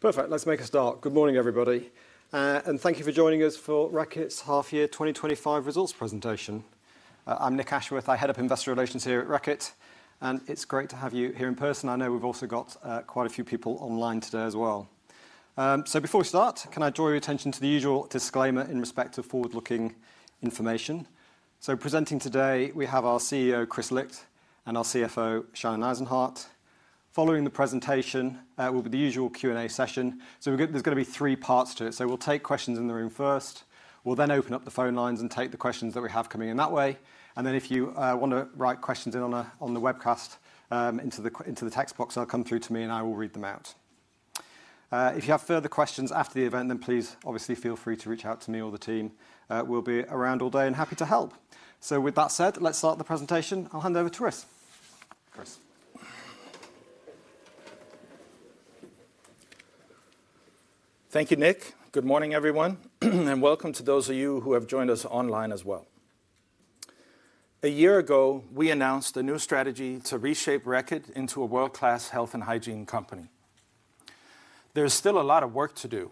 Perfect. Let's make a start. Good morning, everybody. And thank you for joining us for Reckitt's half-year 2025 results presentation. I'm Nick Ashworth. I Head of Investor Relations here at Reckitt. And it's great to have you here in person. I know we've also got quite a few people online today as well. Before we start, can I draw your attention to the usual disclaimer in respect of forward-looking information? Presenting today, we have our CEO, Kris Licht, and our CFO, Shannon Eisenhardt. Following the presentation, it will be the usual Q&A session. There are going to be three parts to it. We'll take questions in the room first. We'll then open up the phone lines and take the questions that we have coming in that way. If you want to write questions in on the webcast into the text box, they'll come through to me and I will read them out. If you have further questions after the event, then please obviously feel free to reach out to me or the team. We'll be around all day and happy to help. With that said, let's start the presentation. I'll hand over to Kris. Kris. Thank you, Nick. Good morning, everyone. Welcome to those of you who have joined us online as well. A year ago, we announced a new strategy to reshape Reckitt into a world-class health and hygiene company. There's still a lot of work to do.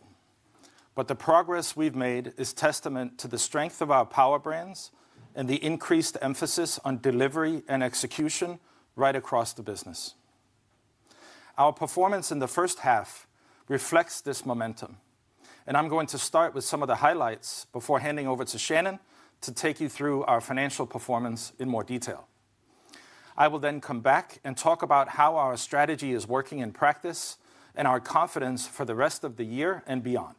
The progress we've made is testament to the strength of our Powerbrands and the increased emphasis on delivery and execution right across the business. Our performance in the first half reflects this momentum. I'm going to start with some of the highlights before handing over to Shannon to take you through our financial performance in more detail. I will then come back and talk about how our strategy is working in practice and our confidence for the rest of the year and beyond.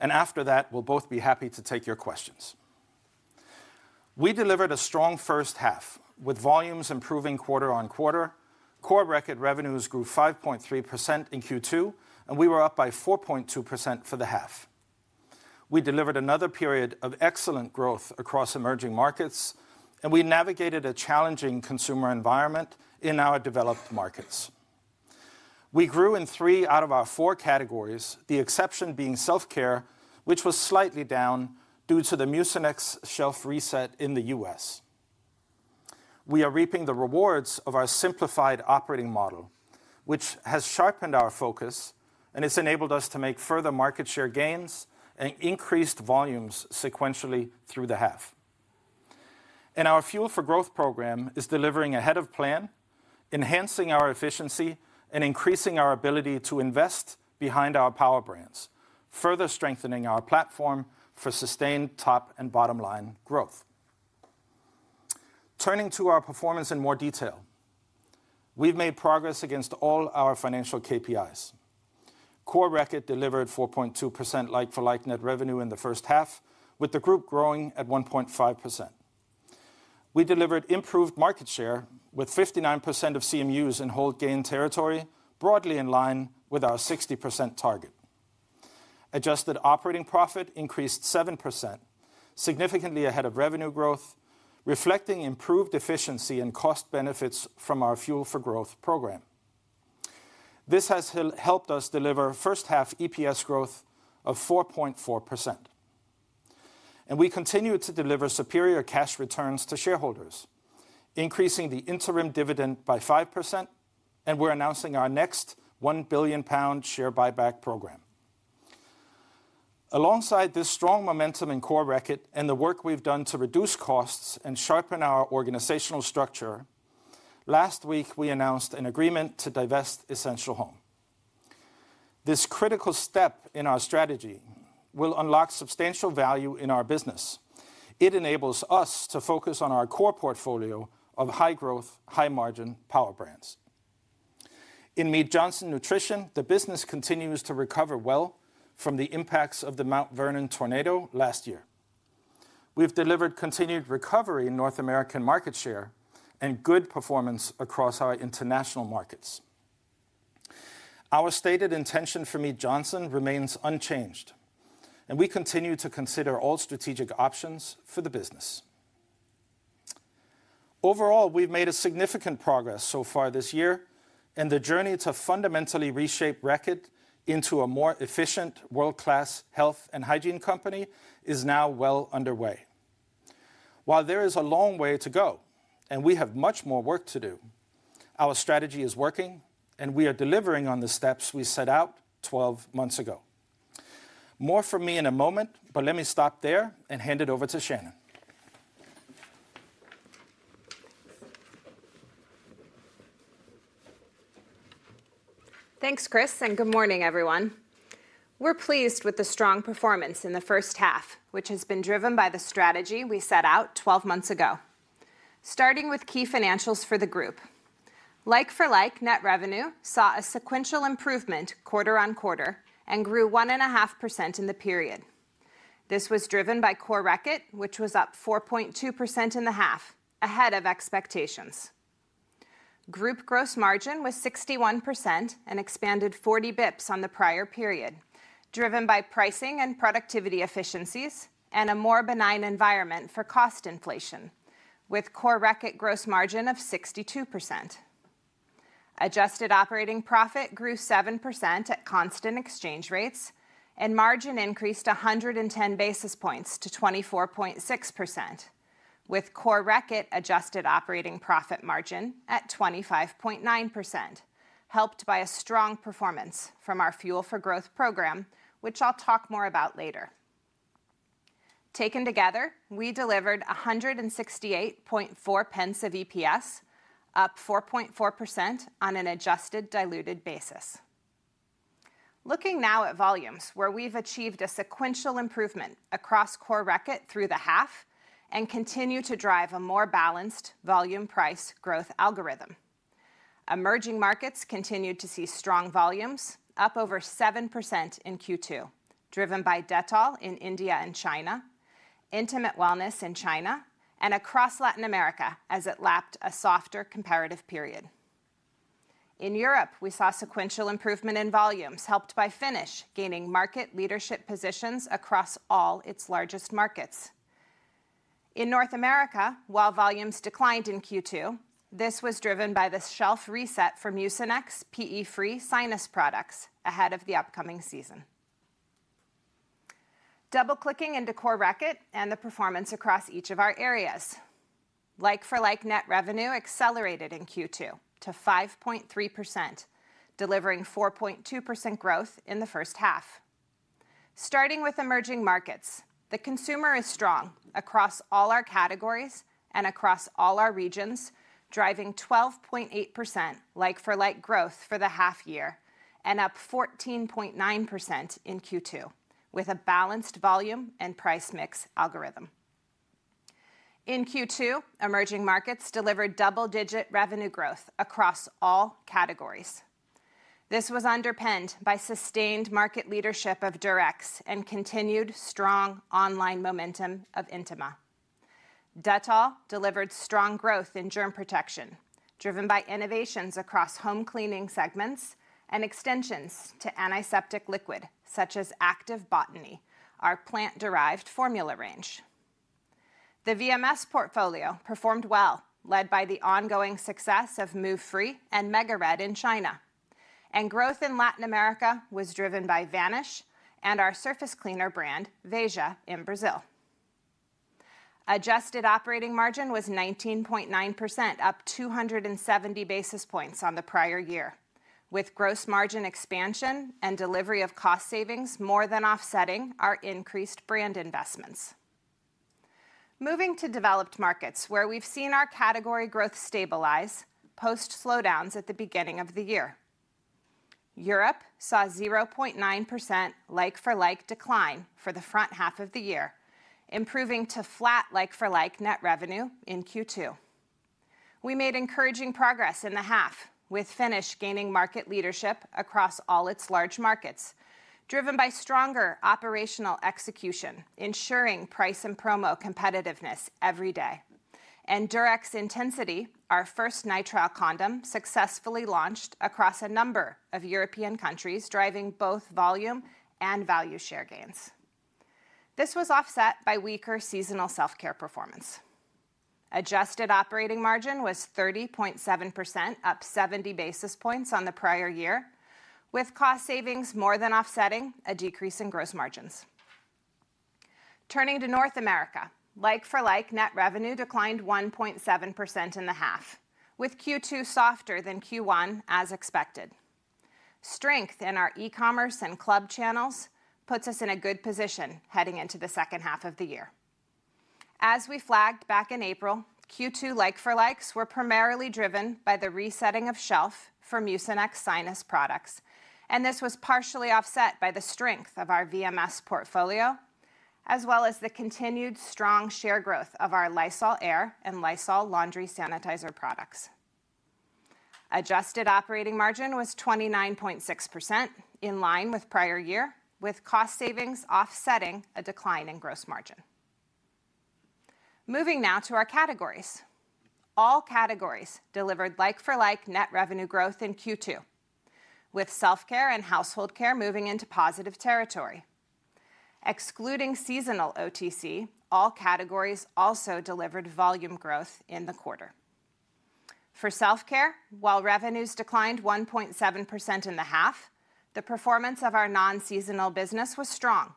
After that, we'll both be happy to take your questions. We delivered a strong first half with volumes improving quarter on quarter. Core Reckitt revenues grew 5.3% in Q2, and we were up by 4.2% for the half. We delivered another period of excellent growth across emerging markets, and we navigated a challenging consumer environment in our developed markets. We grew in three out of our four categories, the exception being Self-Care, which was slightly down due to the Mucinex shelf reset in the U.S. We are reaping the rewards of our simplified operating model, which has sharpened our focus and has enabled us to make further market share gains and increased volumes sequentially through the half. Our Fuel for Growth program is delivering ahead of plan, enhancing our efficiency, and increasing our ability to invest behind our Powerbrands, further strengthening our platform for sustained top and bottom line growth. Turning to our performance in more detail. We've made progress against all our financial KPIs. Core Reckitt delivered 4.2% like-for-like net revenue in the first half, with the group growing at 1.5%. We delivered improved market share with 59% of CMUs in hold gain territory, broadly in line with our 60% target. Adjusted operating profit increased 7%, significantly ahead of revenue growth, reflecting improved efficiency and cost benefits from our Fuel for Growth program. This has helped us deliver first-half EPS growth of 4.4%. We continue to deliver superior cash returns to shareholders, increasing the interim dividend by 5%, and we're announcing our next 1 billion pound share buyback program. Alongside this strong momentum in Core Reckitt and the work we've done to reduce costs and sharpen our organizational structure. Last week, we announced an agreement to divest Essential Home. This critical step in our strategy will unlock substantial value in our business. It enables us to focus on our core portfolio of high-growth, high-margin Powerbrands. In Mead Johnson Nutrition, the business continues to recover well from the impacts of the Mount Vernon tornado last year. We've delivered continued recovery in North American market share and good performance across our international markets. Our stated intention for Mead Johnson remains unchanged, and we continue to consider all strategic options for the business. Overall, we've made significant progress so far this year, and the journey to fundamentally reshape Reckitt into a more efficient, world-class health and hygiene company is now well underway. While there is a long way to go, and we have much more work to do, our strategy is working, and we are delivering on the steps we set out 12 months ago. More from me in a moment, but let me stop there and hand it over to Shannon. Thanks, Kris, and good morning, everyone. We're pleased with the strong performance in the first half, which has been driven by the strategy we set out 12 months ago. Starting with key financials for the group. Like-for-like net revenue saw a sequential improvement quarter on quarter and grew 1.5% in the period. This was driven by Core Reckitt, which was up 4.2% in the half, ahead of expectations. Group gross margin was 61% and expanded 40 bps on the prior period, driven by pricing and productivity efficiencies and a more benign environment for cost inflation, with Core Reckitt gross margin of 62%. Adjusted operating profit grew 7% at constant exchange rates, and margin increased 110 basis points to 24.6%, with Core Reckitt adjusted operating profit margin at 25.9%, helped by a strong performance from our Fuel for Growth program, which I'll talk more about later. Taken together, we delivered 168.4 pence of EPS, up 4.4% on an adjusted diluted basis. Looking now at volumes, where we've achieved a sequential improvement across Core Reckitt through the half and continue to drive a more balanced volume-price growth algorithm. Emerging markets continued to see strong volumes, up over 7% in Q2, driven by Dettol in India and China, Intimate Wellness in China, and across Latin America as it lapped a softer comparative period. In Europe, we saw sequential improvement in volumes, helped by Finish gaining market leadership positions across all its largest markets. In North America, while volumes declined in Q2, this was driven by the shelf reset for Mucinex PE-free sinus products ahead of the upcoming season. Double-clicking into Core Reckitt and the performance across each of our areas, like-for-like net revenue accelerated in Q2 to 5.3%, delivering 4.2% growth in the first half. Starting with emerging markets, the consumer is strong across all our categories and across all our regions, driving 12.8% like-for-like growth for the half year and up 14.9% in Q2 with a balanced volume and price mix algorithm. In Q2, emerging markets delivered double-digit revenue growth across all categories. This was underpinned by sustained market leadership of Durex and continued strong online momentum of Intima. Dettol delivered strong growth in germ protection, driven by innovations across home cleaning segments and extensions to antiseptic liquid such as Active Botany, our plant-derived formula range. The VMS portfolio performed well, led by the ongoing success of Move Free and MegaRed in China, and growth in Latin America was driven by Vanish and our surface cleaner brand, Veja in Brazil. Adjusted operating margin was 19.9%, up 270 basis points on the prior year, with gross margin expansion and delivery of cost savings more than offsetting our increased brand investments. Moving to developed markets, where we've seen our category growth stabilize post-slowdowns at the beginning of the year. Europe saw 0.9% like-for-like decline for the front half of the year, improving to flat like-for-like net revenue in Q2. We made encouraging progress in the half, with Finish gaining market leadership across all its large markets, driven by stronger operational execution, ensuring price and promo competitiveness every day. Durex Intensity, our first nitrile condom, successfully launched across a number of European countries, driving both volume and value share gains. This was offset by weaker seasonal self-care performance. Adjusted operating margin was 30.7%, up 70 basis points on the prior year, with cost savings more than offsetting a decrease in gross margins. Turning to North America, like-for-like net revenue declined 1.7% in the half, with Q2 softer than Q1, as expected. Strength in our e-commerce and club channels puts us in a good position heading into the second half of the year. As we flagged back in April, Q2 like-for-likes were primarily driven by the resetting of shelf for Mucinex Sinus products, and this was partially offset by the strength of our VMS portfolio, as well as the continued strong share growth of our Lysol Air and Lysol Laundry Sanitizer products. Adjusted operating margin was 29.6%, in line with prior year, with cost savings offsetting a decline in gross margin. Moving now to our categories. All categories delivered like-for-like net revenue growth in Q2, with Self-Care and Household Care moving into positive territory. Excluding seasonal OTC, all categories also delivered volume growth in the quarter. For Self-Care, while revenues declined 1.7% in the half, the performance of our non-seasonal business was strong,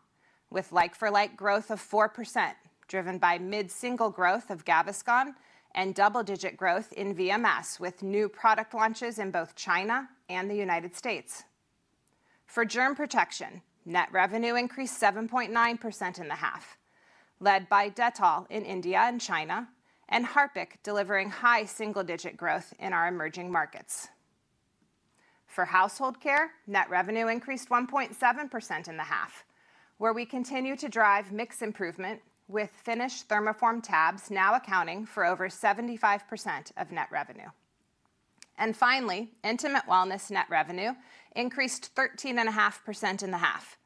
with like-for-like growth of 4%, driven by mid-single growth of Gaviscon and double-digit growth in VMS with new product launches in both China and the United States. For germ protection, net revenue increased 7.9% in the half, led by Dettol in India and China, and Harpic delivering high single-digit growth in our emerging markets. For household care, net revenue increased 1.7% in the half, where we continue to drive mix improvement, with Finish thermoform tabs now accounting for over 75% of net revenue. Finally, Intimate Wellness net revenue increased 13.5% in the half,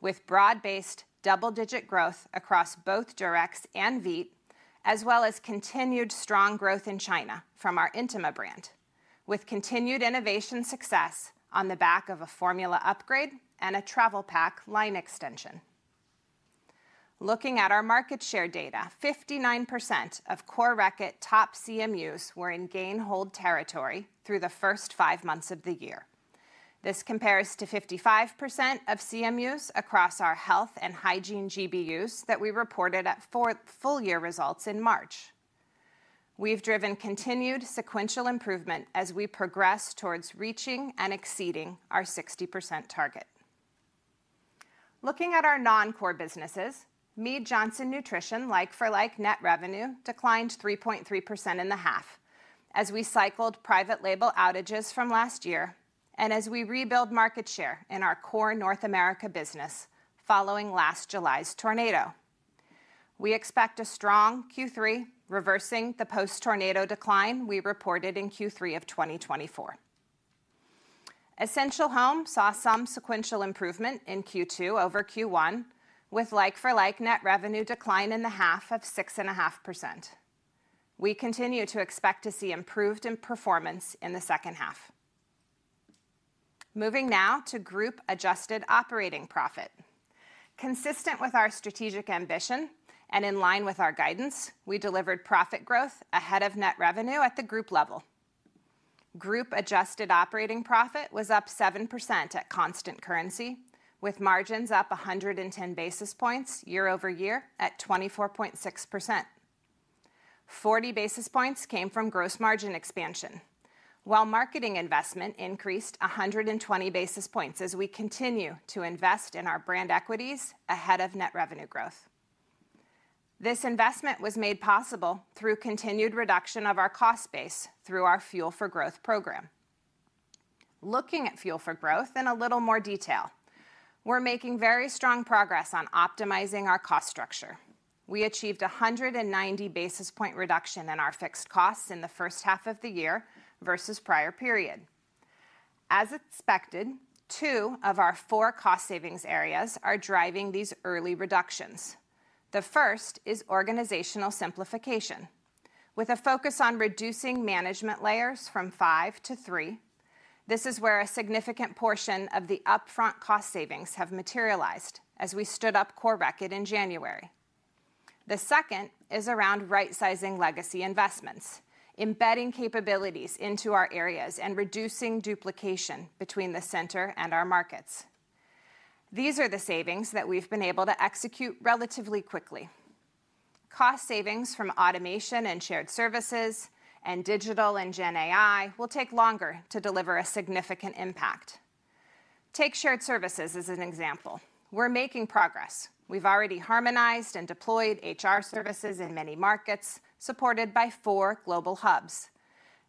with broad-based double-digit growth across both Durex and Veet, as well as continued strong growth in China from our Intima brand, with continued innovation success on the back of a formula upgrade and a travel pack line extension. Looking at our market share data, 59% of Core Reckitt top CMUs were in gain-hold territory through the first five months of the year. This compares to 55% of CMUs across our health and hygiene GBUs that we reported at full year results in March. We have driven continued sequential improvement as we progress towards reaching and exceeding our 60% target. Looking at our non-core businesses, Mead Johnson Nutrition like-for-like net revenue declined 3.3% in the half as we cycled private label outages from last year and as we rebuild market share in our Core North America business following last July's tornado. We expect a strong Q3, reversing the post-tornado decline we reported in Q3 of 2024. Essential Home saw some sequential improvement in Q2 over Q1, with like-for-like net revenue declining in the half of 6.5%. We continue to expect to see improved performance in the second half. Moving now to group adjusted operating profit. Consistent with our strategic ambition and in line with our guidance, we delivered profit growth ahead of net revenue at the group level. Group adjusted operating profit was up 7% at constant currency, with margins up 110 basis points year-over-year at 24.6%. 40 basis points came from gross margin expansion, while marketing investment increased 120 basis points as we continue to invest in our brand equities ahead of net revenue growth. This investment was made possible through continued reduction of our cost base through our Fuel for Growth program. Looking at Fuel for Growth in a little more detail, we're making very strong progress on optimizing our cost structure. We achieved a 190 basis point reduction in our fixed costs in the first half of the year versus prior period. As expected, two of our four cost savings areas are driving these early reductions. The first is organizational simplification, with a focus on reducing management layers from five to three. This is where a significant portion of the upfront cost savings have materialized as we stood up Core Reckitt in January. The second is around right-sizing legacy investments, embedding capabilities into our areas and reducing duplication between the center and our markets. These are the savings that we've been able to execute relatively quickly. Cost savings from automation and shared services and digital and GenAI will take longer to deliver a significant impact. Take shared services as an example. We're making progress. We've already harmonized and deployed HR services in many markets, supported by four global hubs.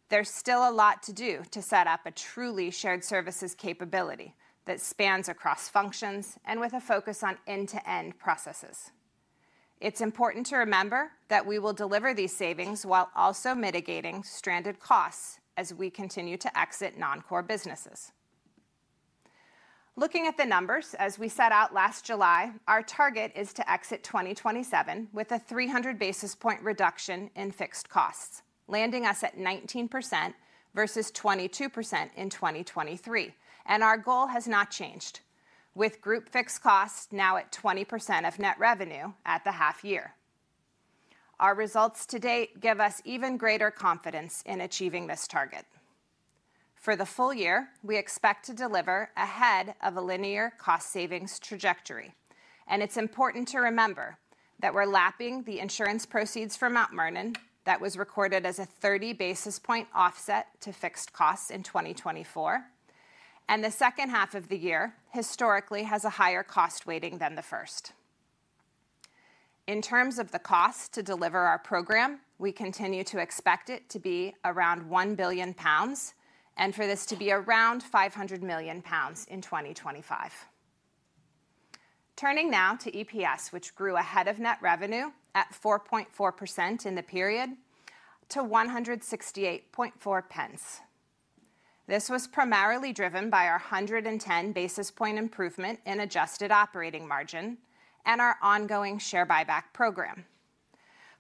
There's still a lot to do to set up a truly shared services capability that spans across functions and with a focus on end-to-end processes. It's important to remember that we will deliver these savings while also mitigating stranded costs as we continue to exit non-core businesses. Looking at the numbers, as we set out last July, our target is to exit 2027 with a 300 basis point reduction in fixed costs, landing us at 19% versus 22% in 2023. And our goal has not changed, with group fixed costs now at 20% of net revenue at the half year. Our results to date give us even greater confidence in achieving this target. For the full year, we expect to deliver ahead of a linear cost savings trajectory. It's important to remember that we're lapping the insurance proceeds from Mount Vernon that was recorded as a 30 basis point offset to fixed costs in 2024. The second half of the year historically has a higher cost weighting than the first. In terms of the cost to deliver our program, we continue to expect it to be around 1 billion pounds and for this to be around 500 million pounds in 2025. Turning now to EPS, which grew ahead of net revenue at 4.4% in the period to 168.4 pence. This was primarily driven by our 110 basis point improvement in adjusted operating margin and our ongoing share buyback program,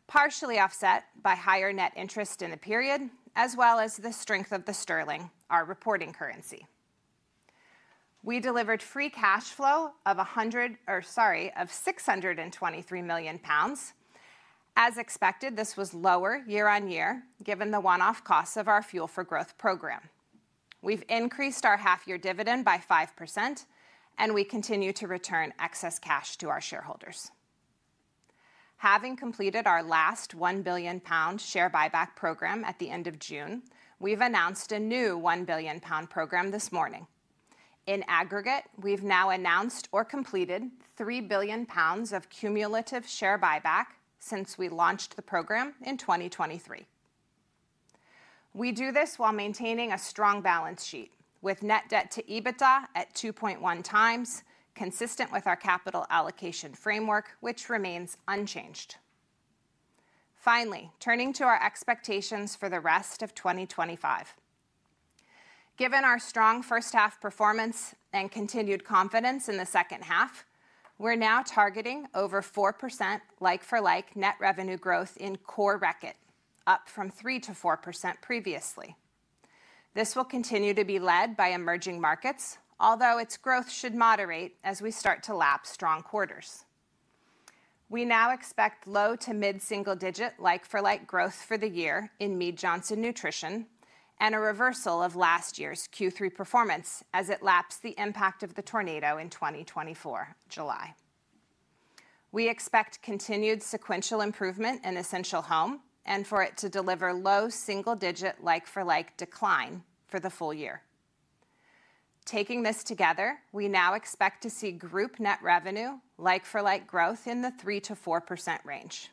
partially offset by higher net interest in the period, as well as the strength of the sterling, our reporting currency. We delivered free cash flow of 623 million pounds. As expected, this was lower year on year given the one-off costs of our Fuel for Growth program. We've increased our half-year dividend by 5%, and we continue to return excess cash to our shareholders. Having completed our last 1 billion pound share buyback program at the end of June, we've announced a new 1 billion pound program this morning. In aggregate, we've now announced or completed 3 billion pounds of cumulative share buyback since we launched the program in 2023. We do this while maintaining a strong balance sheet, with net debt to EBITDA at 2.1 times, consistent with our capital allocation framework, which remains unchanged. Finally, turning to our expectations for the rest of 2025. Given our strong first half performance and continued confidence in the second half, we're now targeting over 4% like-for-like net revenue growth in Core Reckitt, up from 3%-4% previously. This will continue to be led by emerging markets, although its growth should moderate as we start to lap strong quarters. We now expect low to mid-single digit like-for-like growth for the year in Mead Johnson Nutrition and a reversal of last year's Q3 performance as it laps the impact of the tornado in 2024 July. We expect continued sequential improvement in Essential Home and for it to deliver low single digit like-for-like decline for the full year. Taking this together, we now expect to see group net revenue like-for-like growth in the 3%-4% range.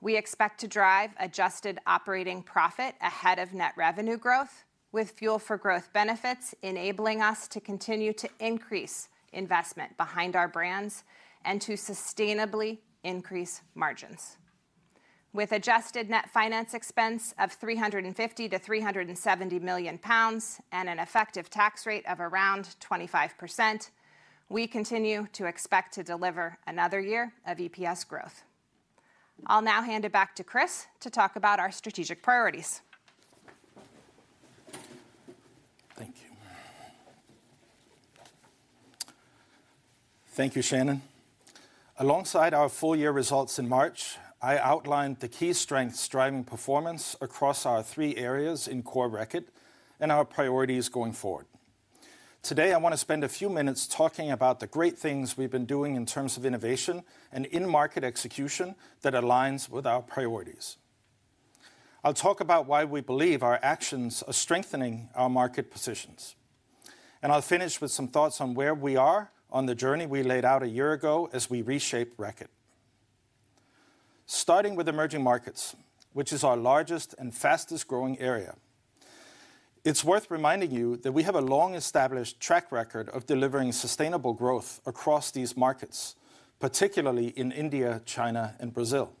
We expect to drive adjusted operating profit ahead of net revenue growth, with Fuel for Growth benefits enabling us to continue to increase investment behind our brands and to sustainably increase margins. With adjusted net finance expense of 350 million-370 million pounds and an effective tax rate of around 25%, we continue to expect to deliver another year of EPS growth. I'll now hand it back to Kris to talk about our strategic priorities. Thank you. Thank you, Shannon. Alongside our full year results in March, I outlined the key strengths driving performance across our three areas in Core Reckitt and our priorities going forward. Today, I want to spend a few minutes talking about the great things we've been doing in terms of innovation and in-market execution that aligns with our priorities. I'll talk about why we believe our actions are strengthening our market positions. And I'll finish with some thoughts on where we are on the journey we laid out a year ago as we reshape Reckitt. Starting with emerging markets, which is our largest and fastest growing area. It's worth reminding you that we have a long-established track record of delivering sustainable growth across these markets, particularly in India, China, and Brazil.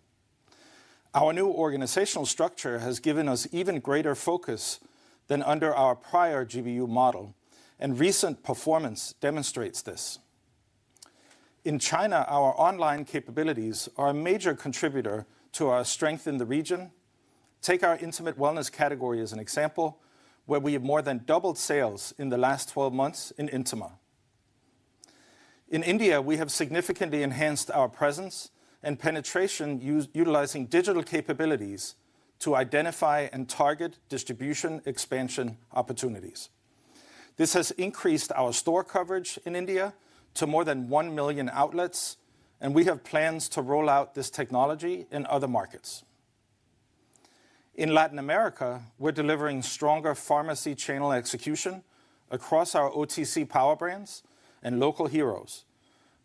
Our new organizational structure has given us even greater focus than under our prior GBU model, and recent performance demonstrates this. In China, our online capabilities are a major contributor to our strength in the region. Take our intimate wellness category as an example, where we have more than doubled sales in the last 12 months in Intima. In India, we have significantly enhanced our presence and penetration utilizing digital capabilities to identify and target distribution expansion opportunities. This has increased our store coverage in India to more than 1 million outlets, and we have plans to roll out this technology in other markets. In Latin America, we're delivering stronger pharmacy channel execution across our OTC Powerbrands and local heroes,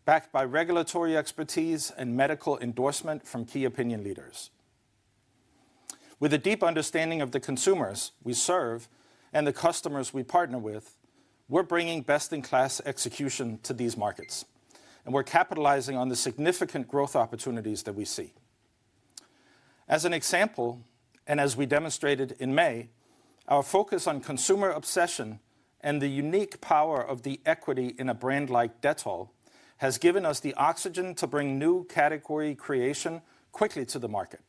backed by regulatory expertise and medical endorsement from key opinion leaders. With a deep understanding of the consumers we serve and the customers we partner with, we're bringing best-in-class execution to these markets, and we're capitalizing on the significant growth opportunities that we see. As an example, as we demonstrated in May, our focus on consumer obsession and the unique power of the equity in a brand like Dettol has given us the oxygen to bring new category creation quickly to the market.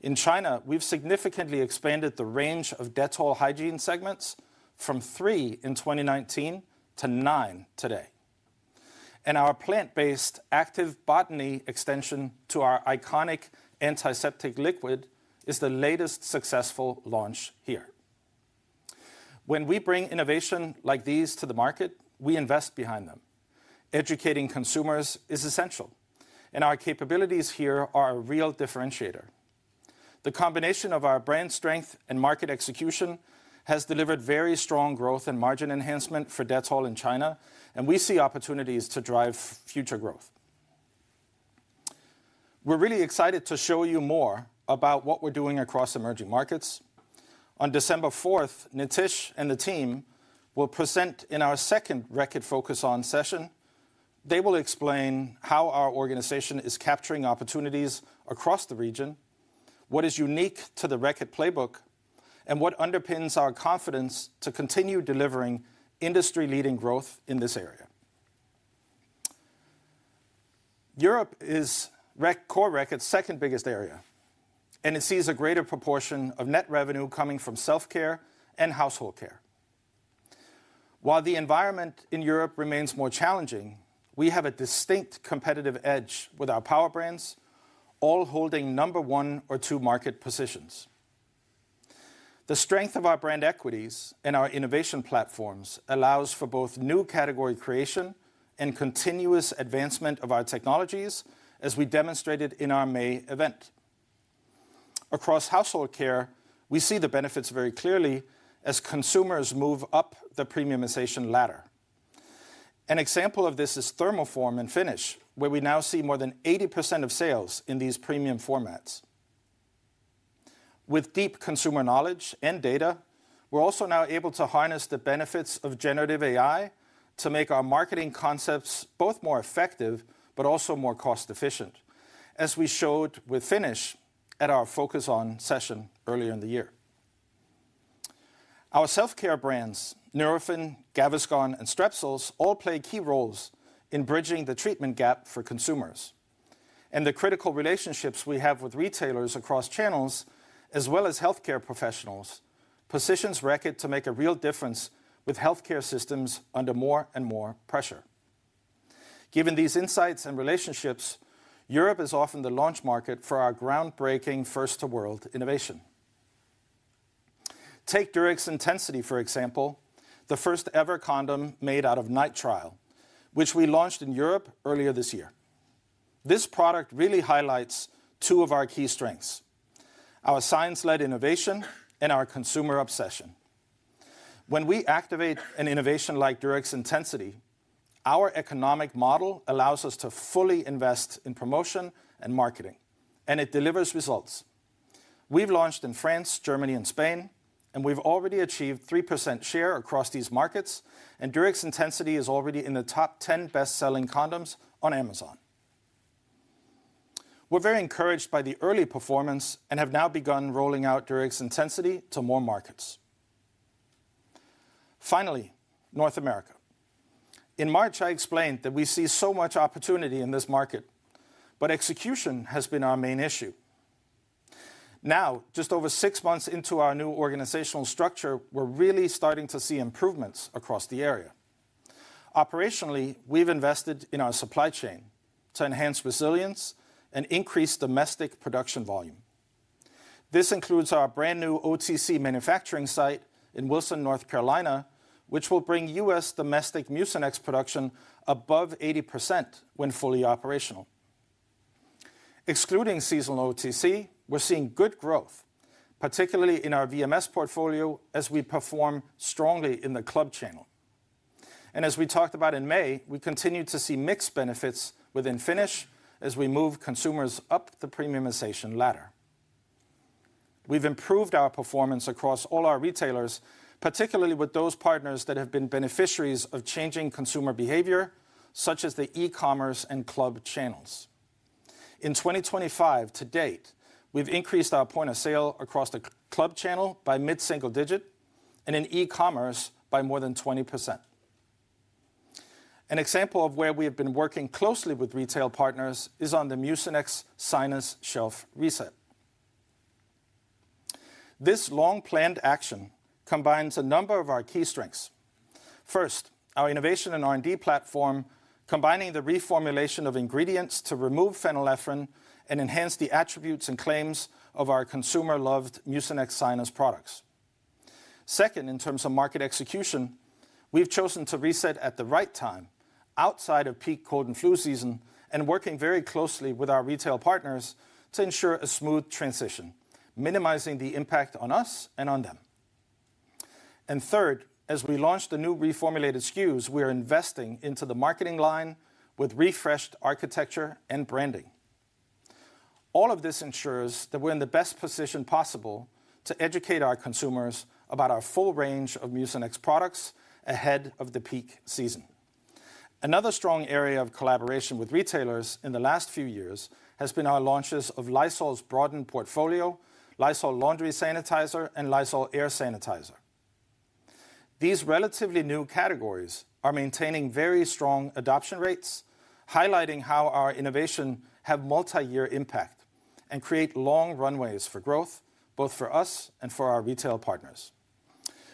In China, we've significantly expanded the range of Dettol hygiene segments from three in 2019 to nine today. Our plant-based Active Botany extension to our iconic antiseptic liquid is the latest successful launch here. When we bring innovation like these to the market, we invest behind them. Educating consumers is essential, and our capabilities here are a real differentiator. The combination of our brand strength and market execution has delivered very strong growth and margin enhancement for Dettol in China, and we see opportunities to drive future growth. We're really excited to show you more about what we're doing across emerging markets. On December 4th, Nitish and the team will present in our second Reckitt Focus On session. They will explain how our organization is capturing opportunities across the region, what is unique to the Reckitt playbook, and what underpins our confidence to continue delivering industry-leading growth in this area. Europe is Core Reckitt's second biggest area, and it sees a greater proportion of net revenue coming from Self-Care and Household Care. While the environment in Europe remains more challenging, we have a distinct competitive edge with our Powerbrands, all holding number one or two market positions. The strength of our brand equities and our innovation platforms allows for both new category creation and continuous advancement of our technologies, as we demonstrated in our May event. Across Household Care, we see the benefits very clearly as consumers move up the premiumization ladder. An example of this is thermoform and Finish, where we now see more than 80% of sales in these premium formats. With deep consumer knowledge and data, we're also now able to harness the benefits of generative AI to make our marketing concepts both more effective but also more cost-efficient, as we showed with Finish at our Focus On session earlier in the year. Our Self-Care brands, Nurofen, Gaviscon, and Strepsils all play key roles in bridging the treatment gap for consumers. The critical relationships we have with retailers across channels, as well as healthcare professionals, positions Reckitt to make a real difference with healthcare systems under more and more pressure. Given these insights and relationships, Europe is often the launch market for our groundbreaking first-to-world innovation. Take Durex Intensity, for example, the first-ever condom made out of nitrile, which we launched in Europe earlier this year. This product really highlights two of our key strengths: our science-led innovation and our consumer obsession. When we activate an innovation like Durex Intensity, our economic model allows us to fully invest in promotion and marketing, and it delivers results. We've launched in France, Germany, and Spain, and we've already achieved 3% share across these markets, and Durex Intensity is already in the top 10 best-selling condoms on Amazon. We're very encouraged by the early performance and have now begun rolling out Durex Intensity to more markets. Finally, North America. In March, I explained that we see so much opportunity in this market, but execution has been our main issue. Now, just over six months into our new organizational structure, we're really starting to see improvements across the area. Operationally, we've invested in our supply chain to enhance resilience and increase domestic production volume. This includes our brand new OTC manufacturing site in Wilson, North Carolina, which will bring U.S. domestic Mucinex production above 80% when fully operational. Excluding seasonal OTC, we're seeing good growth, particularly in our VMS portfolio as we perform strongly in the club channel. As we talked about in May, we continue to see mixed benefits within Finish as we move consumers up the premiumization ladder. We've improved our performance across all our retailers, particularly with those partners that have been beneficiaries of changing consumer behavior, such as the e-commerce and club channels. In 2025 to date, we've increased our point of sale across the club channel by mid-single digit and in e-commerce by more than 20%. An example of where we have been working closely with retail partners is on the Mucinex Sinus shelf reset. This long-planned action combines a number of our key strengths. First, our innovation and R&D platform combining the reformulation of ingredients to remove phenylephrine and enhance the attributes and claims of our consumer-loved Mucinex Sinus products. Second, in terms of market execution, we've chosen to reset at the right time outside of peak cold and flu season and working very closely with our retail partners to ensure a smooth transition, minimizing the impact on us and on them. Third, as we launch the new reformulated SKUs, we are investing into the marketing line with refreshed architecture and branding. All of this ensures that we're in the best position possible to educate our consumers about our full range of Mucinex products ahead of the peak season. Another strong area of collaboration with retailers in the last few years has been our launches of Lysol's broadened portfolio, Lysol Laundry Sanitizer, and Lysol Air Sanitizer. These relatively new categories are maintaining very strong adoption rates, highlighting how our innovations have multi-year impact and create long runways for growth, both for us and for our retail partners.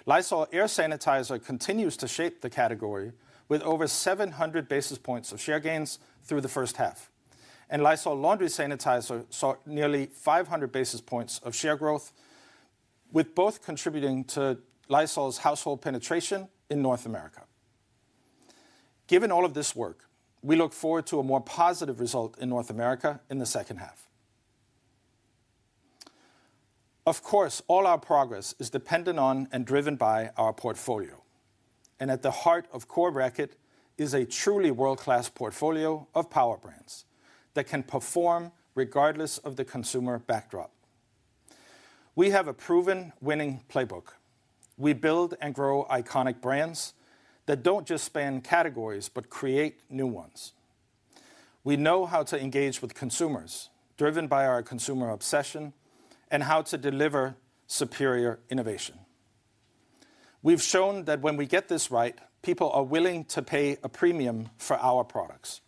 Lysol Air Sanitizer continues to shape the category with over 700 basis points of share gains through the first half, and Lysol Laundry Sanitizer saw nearly 500 basis points of share growth, with both contributing to Lysol's household penetration in North America. Given all of this work, we look forward to a more positive result in North America in the second half. Of course, all our progress is dependent on and driven by our portfolio. At the heart of Core Reckitt is a truly world-class portfolio of Powerbrands that can perform regardless of the consumer backdrop. We have a proven winning playbook. We build and grow iconic brands that do not just span categories but create new ones. We know how to engage with consumers, driven by our consumer obsession, and how to deliver superior innovation. We have shown that when we get this right, people are willing to pay a premium for our products.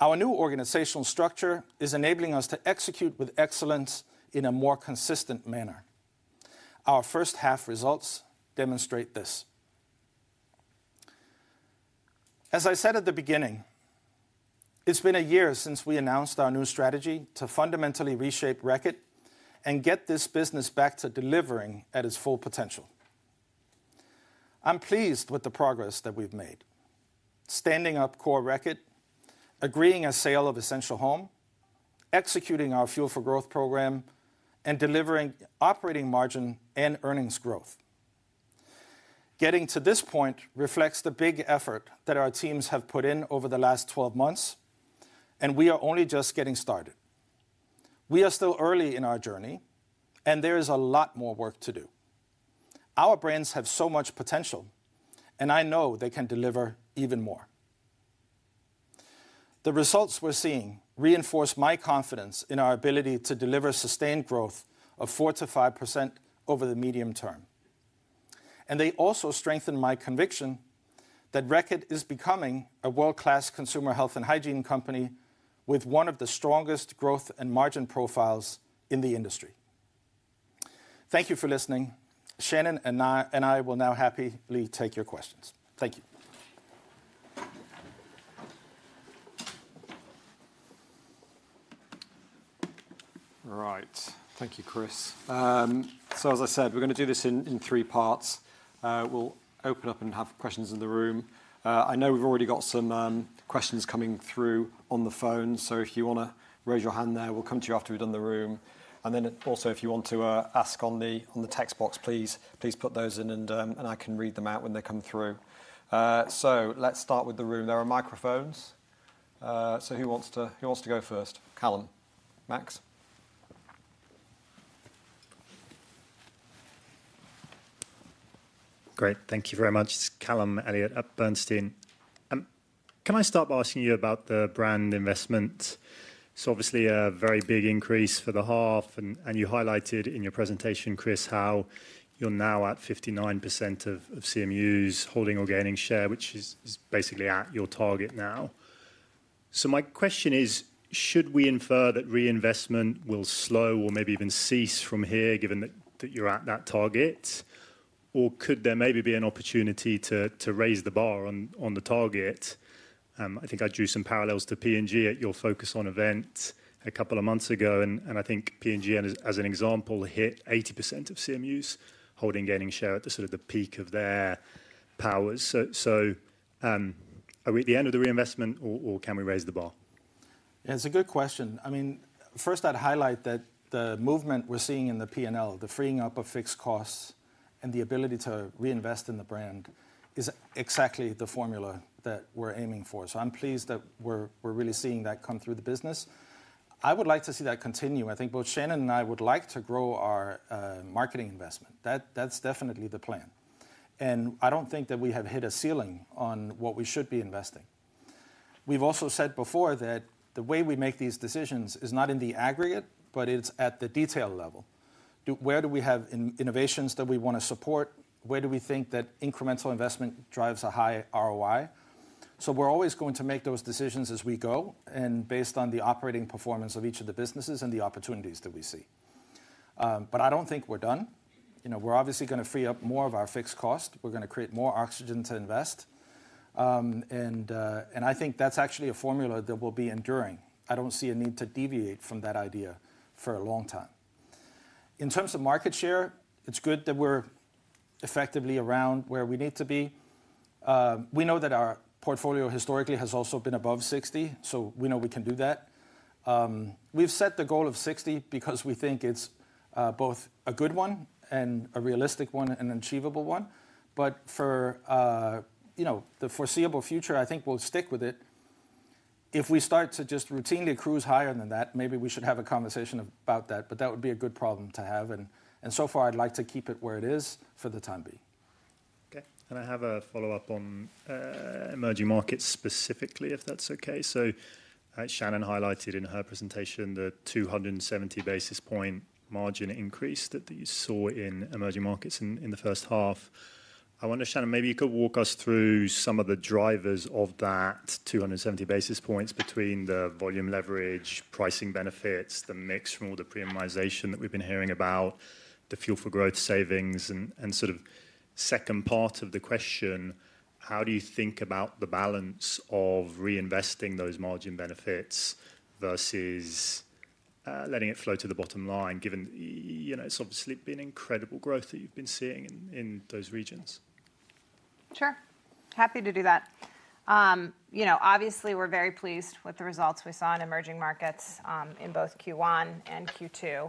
Our new organizational structure is enabling us to execute with excellence in a more consistent manner. Our first half results demonstrate this. As I said at the beginning, it has been a year since we announced our new strategy to fundamentally reshape Reckitt and get this business back to delivering at its full potential. I am pleased with the progress that we have made. Standing up Core Reckitt, agreeing a sale of Essential Home, executing our Fuel for Growth program, and delivering operating margin and earnings growth. Getting to this point reflects the big effort that our teams have put in over the last 12 months, and we are only just getting started. We are still early in our journey, and there is a lot more work to do. Our brands have so much potential, and I know they can deliver even more. The results we are seeing reinforce my confidence in our ability to deliver sustained growth of 4%-5% over the medium term. They also strengthen my conviction that Reckitt is becoming a world-class consumer health and hygiene company with one of the strongest growth and margin profiles in the industry. Thank you for listening. Shannon and I will now happily take your questions. Thank you. All right. Thank you, Chris. As I said, we're going to do this in three parts. We'll open up and have questions in the room. I know we've already got some questions coming through on the phone, so if you want to raise your hand there, we'll come to you after we've done the room. Also, if you want to ask on the text box, please put those in, and I can read them out when they come through. Let's start with the room. There are microphones. Who wants to go first? Callum, Max? Great. Thank you very much. It's Callum Elliott at Bernstein. Can I start by asking you about the brand investment? It's obviously a very big increase for the half, and you highlighted in your presentation, Kris, how you're now at 59% of CMUs holding or gaining share, which is basically at your target now. My question is, should we infer that reinvestment will slow or maybe even cease from here given that you're at that target? Or could there maybe be an opportunity to raise the bar on the target? I think I drew some parallels to P&G at your focus on event a couple of months ago, and I think P&G, as an example, hit 80% of CMUs holding gaining share at the sort of peak of their powers. Are we at the end of the reinvestment, or can we raise the bar? Yeah, it's a good question. I mean, first, I'd highlight that the movement we're seeing in the P&L, the freeing up of fixed costs and the ability to reinvest in the brand, is exactly the formula that we're aiming for. So I'm pleased that we're really seeing that come through the business. I would like to see that continue. I think both Shannon and I would like to grow our marketing investment. That's definitely the plan. And I don't think that we have hit a ceiling on what we should be investing. We've also said before that the way we make these decisions is not in the aggregate, but it's at the detail level. Where do we have innovations that we want to support? Where do we think that incremental investment drives a high ROI? So we're always going to make those decisions as we go and based on the operating performance of each of the businesses and the opportunities that we see. But I don't think we're done. We're obviously going to free up more of our fixed cost. We're going to create more oxygen to invest. And I think that's actually a formula that will be enduring. I don't see a need to deviate from that idea for a long time. In terms of market share, it's good that we're effectively around where we need to be. We know that our portfolio historically has also been above 60, so we know we can do that. We've set the goal of 60 because we think it's both a good one and a realistic one and an achievable one. But for the foreseeable future, I think we'll stick with it. If we start to just routinely cruise higher than that, maybe we should have a conversation about that, but that would be a good problem to have. And so far, I'd like to keep it where it is for the time being. Okay. I have a follow-up on emerging markets specifically, if that's okay. Shannon highlighted in her presentation the 270 basis point margin increase that you saw in emerging markets in the first half. I wonder, Shannon, maybe you could walk us through some of the drivers of that 270 basis points between the volume leverage, pricing benefits, the mix from all the premiumization that we've been hearing about, the Fuel for Growth savings. The second part of the question, how do you think about the balance of reinvesting those margin benefits versus letting it flow to the bottom line, given it's obviously been incredible growth that you've been seeing in those regions? Sure. Happy to do that. Obviously, we're very pleased with the results we saw in emerging markets in both Q1 and Q2.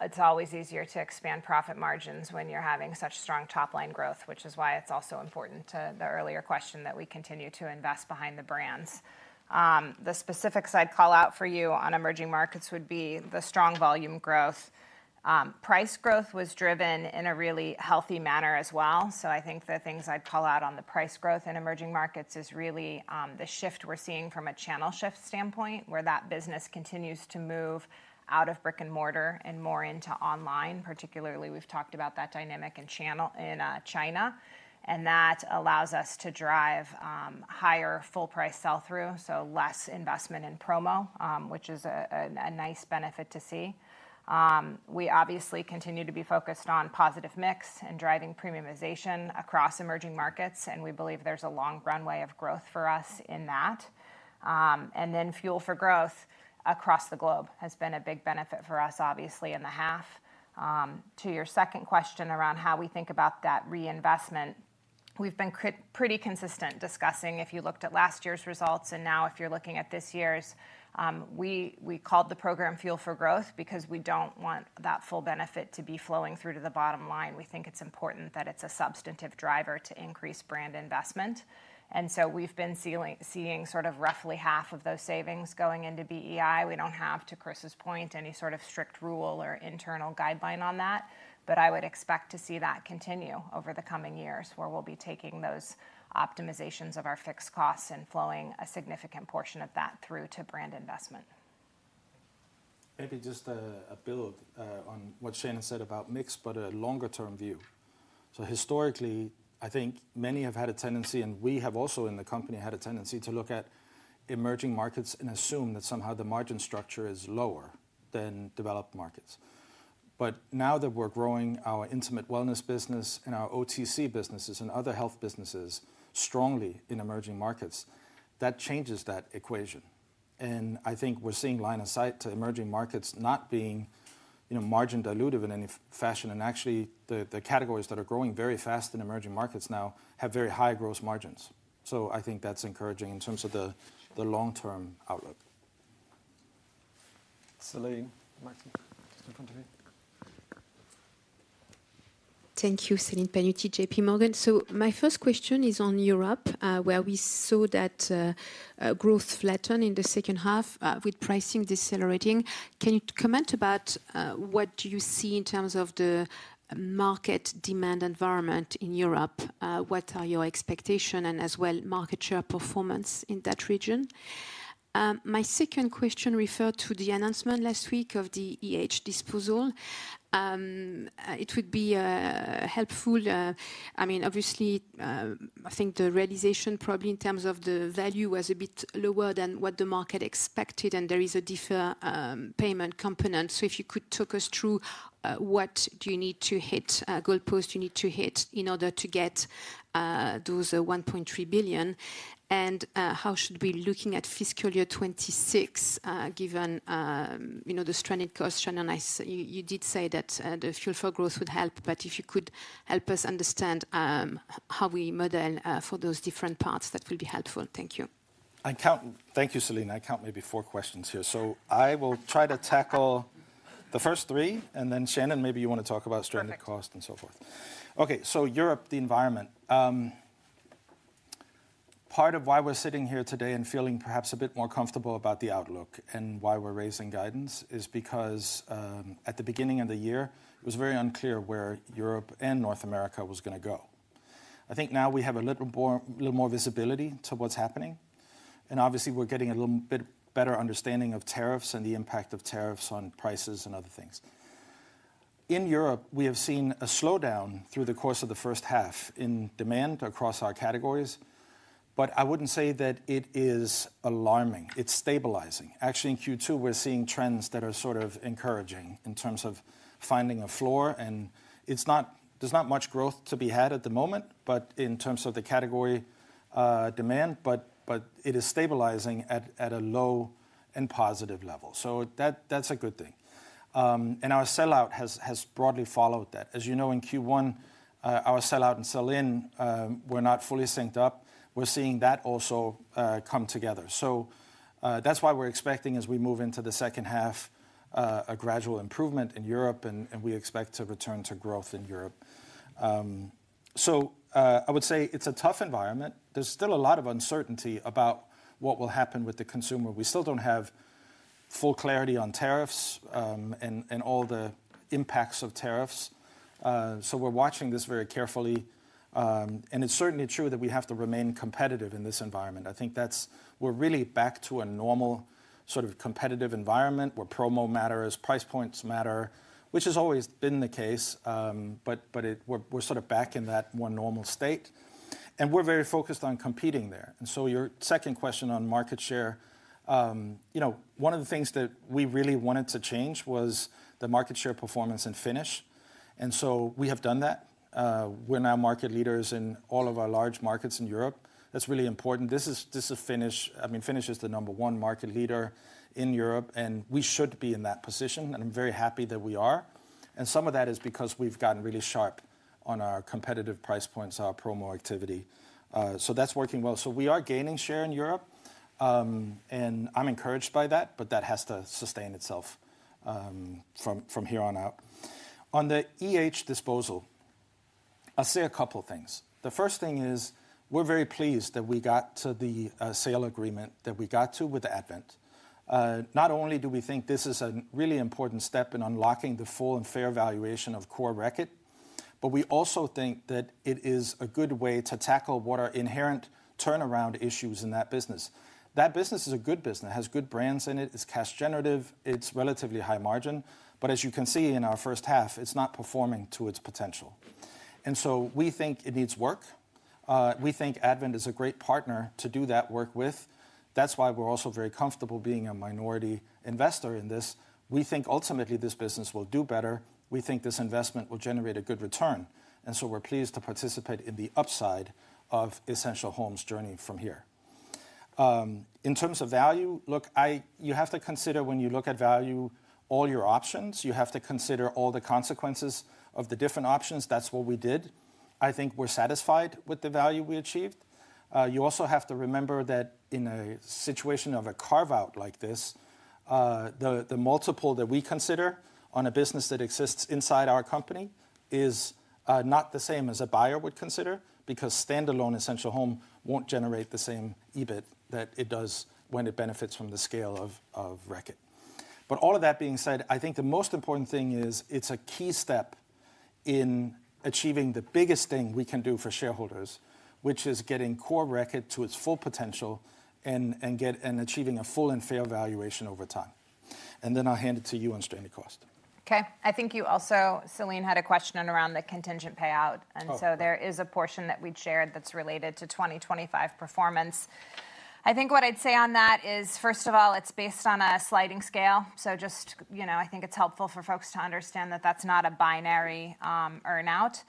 It's always easier to expand profit margins when you're having such strong top-line growth, which is why it's also important to the earlier question that we continue to invest behind the brands. The specifics I'd call out for you on emerging markets would be the strong volume growth. Price growth was driven in a really healthy manner as well. I think the things I'd call out on the price growth in emerging markets is really the shift we're seeing from a channel shift standpoint, where that business continues to move out of brick and mortar and more into online. Particularly, we've talked about that dynamic in China, and that allows us to drive higher full-price sell-through, so less investment in promo, which is a nice benefit to see. We obviously continue to be focused on positive mix and driving premiumization across emerging markets, and we believe there's a long runway of growth for us in that. Fuel for growth across the globe has been a big benefit for us, obviously, in the half. To your second question around how we think about that reinvestment, we've been pretty consistent discussing, if you looked at last year's results and now if you're looking at this year's, we called the program fuel for growth because we don't want that full benefit to be flowing through to the bottom line. We think it's important that it's a substantive driver to increase brand investment. We've been seeing sort of roughly half of those savings going into BEI. We don't have, to Kris's point, any sort of strict rule or internal guideline on that, but I would expect to see that continue over the coming years, where we'll be taking those optimizations of our fixed costs and flowing a significant portion of that through to brand investment. Maybe just a build on what Shannon said about mix, but a longer-term view. Historically, I think many have had a tendency, and we have also in the company had a tendency to look at emerging markets and assume that somehow the margin structure is lower than developed markets. Now that we're growing our intimate wellness business and our OTC businesses and other health businesses strongly in emerging markets, that changes that equation. I think we're seeing line of sight to emerging markets not being margin dilutive in any fashion. Actually, the categories that are growing very fast in emerging markets now have very high gross margins. I think that's encouraging in terms of the long-term outlook. Celine, Max. Thank you, Celine Pannuti, JPMorgan. So my first question is on Europe, where we saw that growth flattened in the second half with pricing decelerating. Can you comment about what do you see in terms of the market demand environment in Europe? What are your expectations and as well market share performance in that region? My second question refers to the announcement last week of the EH disposal. It would be helpful. I mean, obviously, I think the realization probably in terms of the value was a bit lower than what the market expected, and there is a deferred payment component. So if you could talk us through what do you need to hit, goalposts you need to hit in order to get those 1.3 billion. And how should we be looking at fiscal year 2026 given the stranded cost? Shannon, you did say that the Fuel for Growth program would help, but if you could help us understand how we model for those different parts, that would be helpful. Thank you. Thank you, Celine. I count maybe four questions here. I will try to tackle the first three, and then Shannon, maybe you want to talk about stranded cost and so forth. Okay, Europe, the environment. Part of why we're sitting here today and feeling perhaps a bit more comfortable about the outlook and why we're raising guidance is because at the beginning of the year, it was very unclear where Europe and North America was going to go. I think now we have a little more visibility to what's happening. Obviously, we're getting a little bit better understanding of tariffs and the impact of tariffs on prices and other things. In Europe, we have seen a slowdown through the course of the first half in demand across our categories, but I wouldn't say that it is alarming. It's stabilizing. Actually, in Q2, we're seeing trends that are sort of encouraging in terms of finding a floor. There's not much growth to be had at the moment, but in terms of the category demand, it is stabilizing at a low and positive level. That's a good thing. Our sellout has broadly followed that. As you know, in Q1, our sellout and sell-in were not fully synced up. We're seeing that also come together. That's why we're expecting, as we move into the second half, a gradual improvement in Europe, and we expect to return to growth in Europe. I would say it's a tough environment. There's still a lot of uncertainty about what will happen with the consumer. We still don't have full clarity on tariffs and all the impacts of tariffs. We're watching this very carefully. It's certainly true that we have to remain competitive in this environment. I think we're really back to a normal sort of competitive environment where promo matters, price points matter, which has always been the case, but we're sort of back in that more normal state. We're very focused on competing there. Your second question on market share. One of the things that we really wanted to change was the market share performance in Finish. We have done that. We're now market leaders in all of our large markets in Europe. That's really important. This is Finish. I mean, Finish is the number one market leader in Europe, and we should be in that position. I'm very happy that we are. Some of that is because we've gotten really sharp on our competitive price points, our promo activity. That's working well. We are gaining share in Europe. I'm encouraged by that, but that has to sustain itself from here on out. On the EH disposal, I'll say a couple of things. The first thing is we're very pleased that we got to the sale agreement that we got to with Advent. Not only do we think this is a really important step in unlocking the full and fair valuation of Core Reckitt, but we also think that it is a good way to tackle what are inherent turnaround issues in that business. That business is a good business. It has good brands in it. It's cash generative. It's relatively high margin. As you can see in our first half, it's not performing to its potential. We think it needs work. We think Advent is a great partner to do that work with. That's why we're also very comfortable being a minority investor in this. We think ultimately this business will do better. We think this investment will generate a good return. We're pleased to participate in the upside of Essential Home's journey from here. In terms of value, look, you have to consider when you look at value all your options. You have to consider all the consequences of the different options. That's what we did. I think we're satisfied with the value we achieved. You also have to remember that in a situation of a carve-out like this, the multiple that we consider on a business that exists inside our company is not the same as a buyer would consider because standalone Essential Home won't generate the same EBIT that it does when it benefits from the scale of Reckitt. All of that being said, I think the most important thing is it's a key step in achieving the biggest thing we can do for shareholders, which is getting Core Reckitt to its full potential and achieving a full and fair valuation over time. I'll hand it to you on stranded cost. Okay. I think you also, Celine, had a question around the contingent payout. There is a portion that we'd shared that's related to 2025 performance. I think what I'd say on that is, first of all, it's based on a sliding scale. I think it's helpful for folks to understand that that's not a binary earnout.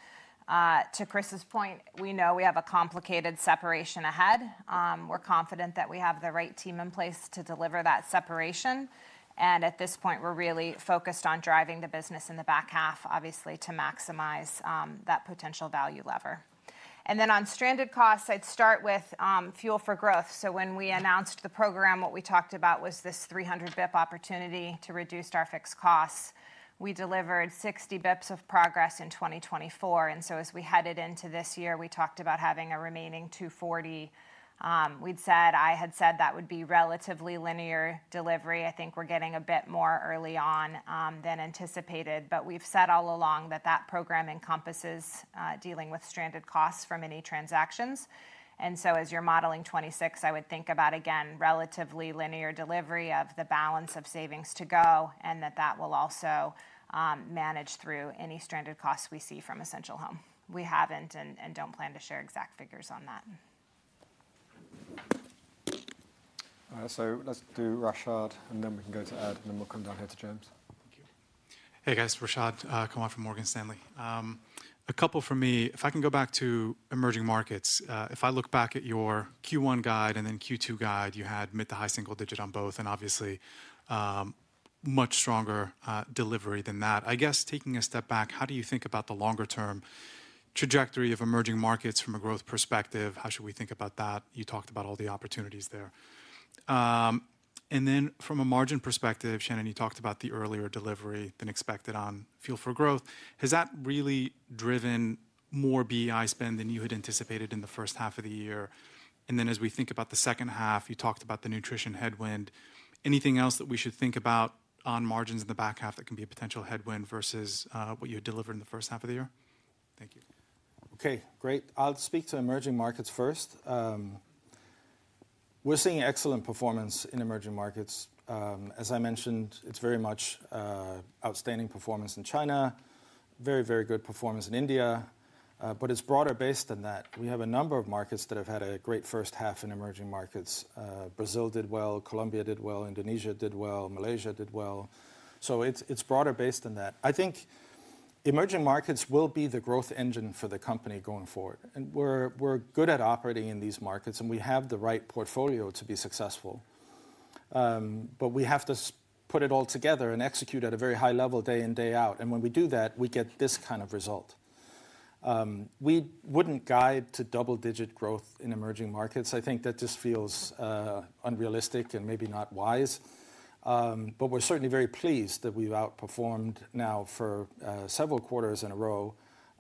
To Kris's point, we know we have a complicated separation ahead. We're confident that we have the right team in place to deliver that separation. At this point, we're really focused on driving the business in the back half, obviously, to maximize that potential value lever. On stranded costs, I'd start with Fuel for Growth. When we announced the program, what we talked about was this 300 bps opportunity to reduce our fixed costs. We delivered 60 bps of progress in 2024. As we headed into this year, we talked about having a remaining 240. I had said that would be relatively linear delivery. I think we're getting a bit more early on than anticipated, but we've said all along that that program encompasses dealing with stranded costs from any transactions. As you're modeling 2026, I would think about, again, relatively linear delivery of the balance of savings to go and that that will also manage through any stranded costs we see from Essential Home. We haven't and don't plan to share exact figures on that. Let's do Rashad, and then we can go to Ed, and then we'll come down here to James. Thank you. Hey, guys. Rashad Kawan from Morgan Stanley. A couple for me. If I can go back to emerging markets, if I look back at your Q1 guide and then Q2 guide, you had mid to high single digit on both and obviously much stronger delivery than that. I guess taking a step back, how do you think about the longer-term trajectory of emerging markets from a growth perspective? How should we think about that? You talked about all the opportunities there. From a margin perspective, Shannon, you talked about the earlier delivery than expected on Fuel for Growth. Has that really driven more BEI spend than you had anticipated in the first half of the year? As we think about the second half, you talked about the nutrition headwind. Anything else that we should think about on margins in the back half that can be a potential headwind versus what you had delivered in the first half of the year? Thank you. Okay, great. I'll speak to emerging markets first. We're seeing excellent performance in emerging markets. As I mentioned, it's very much. Outstanding performance in China, very, very good performance in India. It is broader based than that. We have a number of markets that have had a great first half in emerging markets. Brazil did well, Colombia did well, Indonesia did well, Malaysia did well. It is broader based than that. I think emerging markets will be the growth engine for the company going forward. We're good at operating in these markets, and we have the right portfolio to be successful. We have to put it all together and execute at a very high level day in, day out. When we do that, we get this kind of result. We wouldn't guide to double-digit growth in emerging markets. I think that just feels unrealistic and maybe not wise. We're certainly very pleased that we've outperformed now for several quarters in a row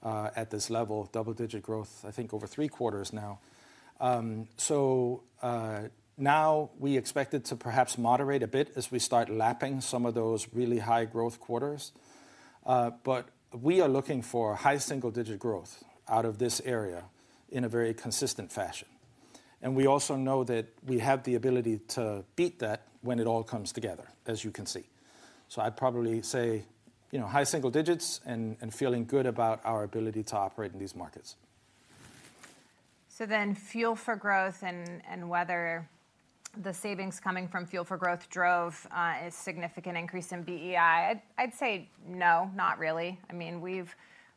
at this level, double-digit growth, I think over three quarters now. We expect it to perhaps moderate a bit as we start lapping some of those really high growth quarters. We are looking for high single-digit growth out of this area in a very consistent fashion. We also know that we have the ability to beat that when it all comes together, as you can see. I'd probably say high single digits and feeling good about our ability to operate in these markets. Fuel for Growth and whether the savings coming from Fuel for Growth drove a significant increase in BEI, I'd say no, not really. I mean,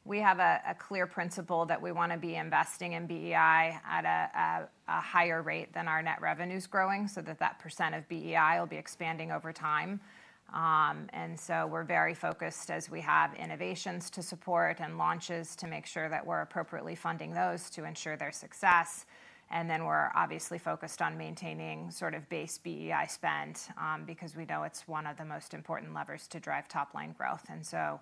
we have a clear principle that we want to be investing in BEI at a higher rate than our net revenues growing so that that percent of BEI will be expanding over time. We are very focused as we have innovations to support and launches to make sure that we're appropriately funding those to ensure their success. We are obviously focused on maintaining sort of base BEI spend because we know it's one of the most important levers to drive top-line growth. That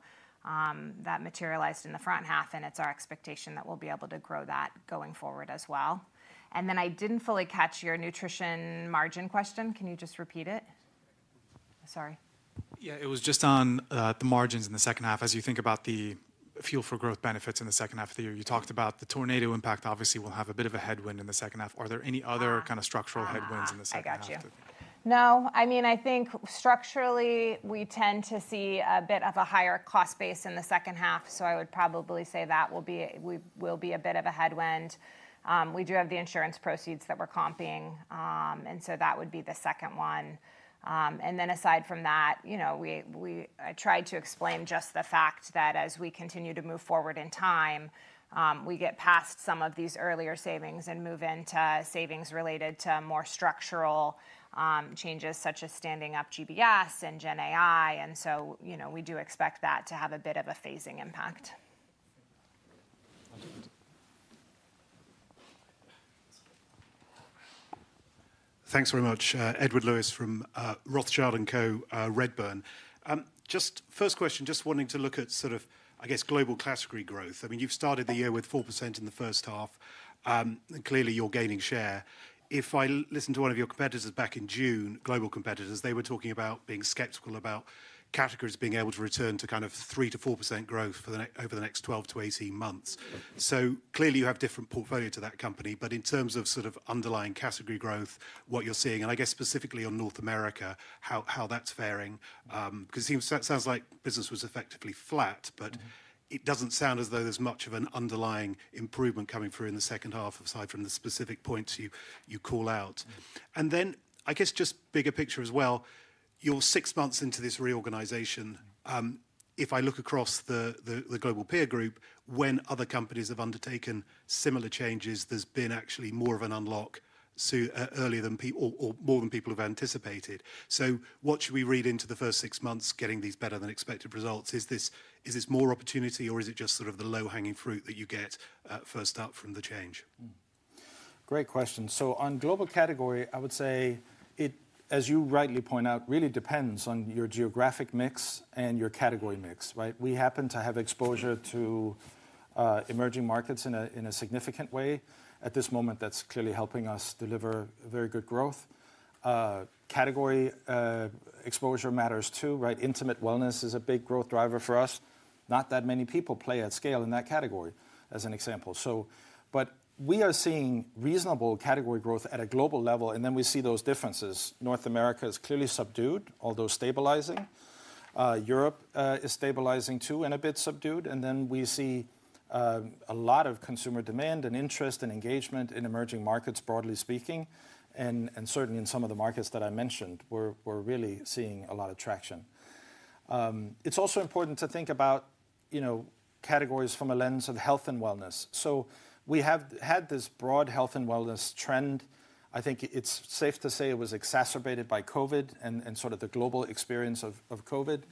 materialized in the front half, and it's our expectation that we'll be able to grow that going forward as well. I didn't fully catch your nutrition margin question. Can you just repeat it? Sorry. Yeah, it was just on the margins in the second half. As you think about the Fuel for Growth benefits in the second half of the year, you talked about the tornado impact. Obviously, we'll have a bit of a headwind in the second half. Are there any other kind of structural headwinds in the second half? I got you. No, I mean, I think structurally we tend to see a bit of a higher cost base in the second half. I would probably say that will be a bit of a headwind. We do have the insurance proceeds that we're comping. That would be the second one. Aside from that, I tried to explain just the fact that as we continue to move forward in time, we get past some of these earlier savings and move into savings related to more structural changes such as standing up GBS and GenAI. We do expect that to have a bit of a phasing impact. Thanks very much, Edward Lewis from Rothschild & Co Redburn. Just first question, just wanting to look at sort of, I guess, global category growth. I mean, you've started the year with 4% in the first half. And clearly you're gaining share. If I listen to one of your competitors back in June, global competitors, they were talking about being skeptical about categories being able to return to kind of 3%-4% growth over the next 12-18 months. So clearly you have different portfolios to that company. But in terms of sort of underlying category growth, what you're seeing, and I guess specifically on North America, how that's faring, because it sounds like business was effectively flat, but it doesn't sound as though there's much of an underlying improvement coming through in the second half aside from the specific points you call out. And then I guess just bigger picture as well, you're six months into this reorganization. If I look across the global peer group, when other companies have undertaken similar changes, there's been actually more of an unlock. Earlier than people or more than people have anticipated. So what should we read into the first six months getting these better than expected results? Is this more opportunity or is it just sort of the low-hanging fruit that you get first up from the change? Great question. So on global category, I would say. As you rightly point out, really depends on your geographic mix and your category mix. We happen to have exposure to. Emerging markets in a significant way. At this moment, that's clearly helping us deliver very good growth. Category. Exposure matters too. Intimate wellness is a big growth driver for us. Not that many people play at scale in that category, as an example. But we are seeing reasonable category growth at a global level. And then we see those differences. North America is clearly subdued, although stabilizing. Europe is stabilizing too and a bit subdued. And then we see. A lot of consumer demand and interest and engagement in emerging markets, broadly speaking, and certainly in some of the markets that I mentioned, we're really seeing a lot of traction. It's also important to think about. Categories from a lens of health and wellness. So we have had this broad health and wellness trend. I think it's safe to say it was exacerbated by COVID and sort of the global experience of COVID.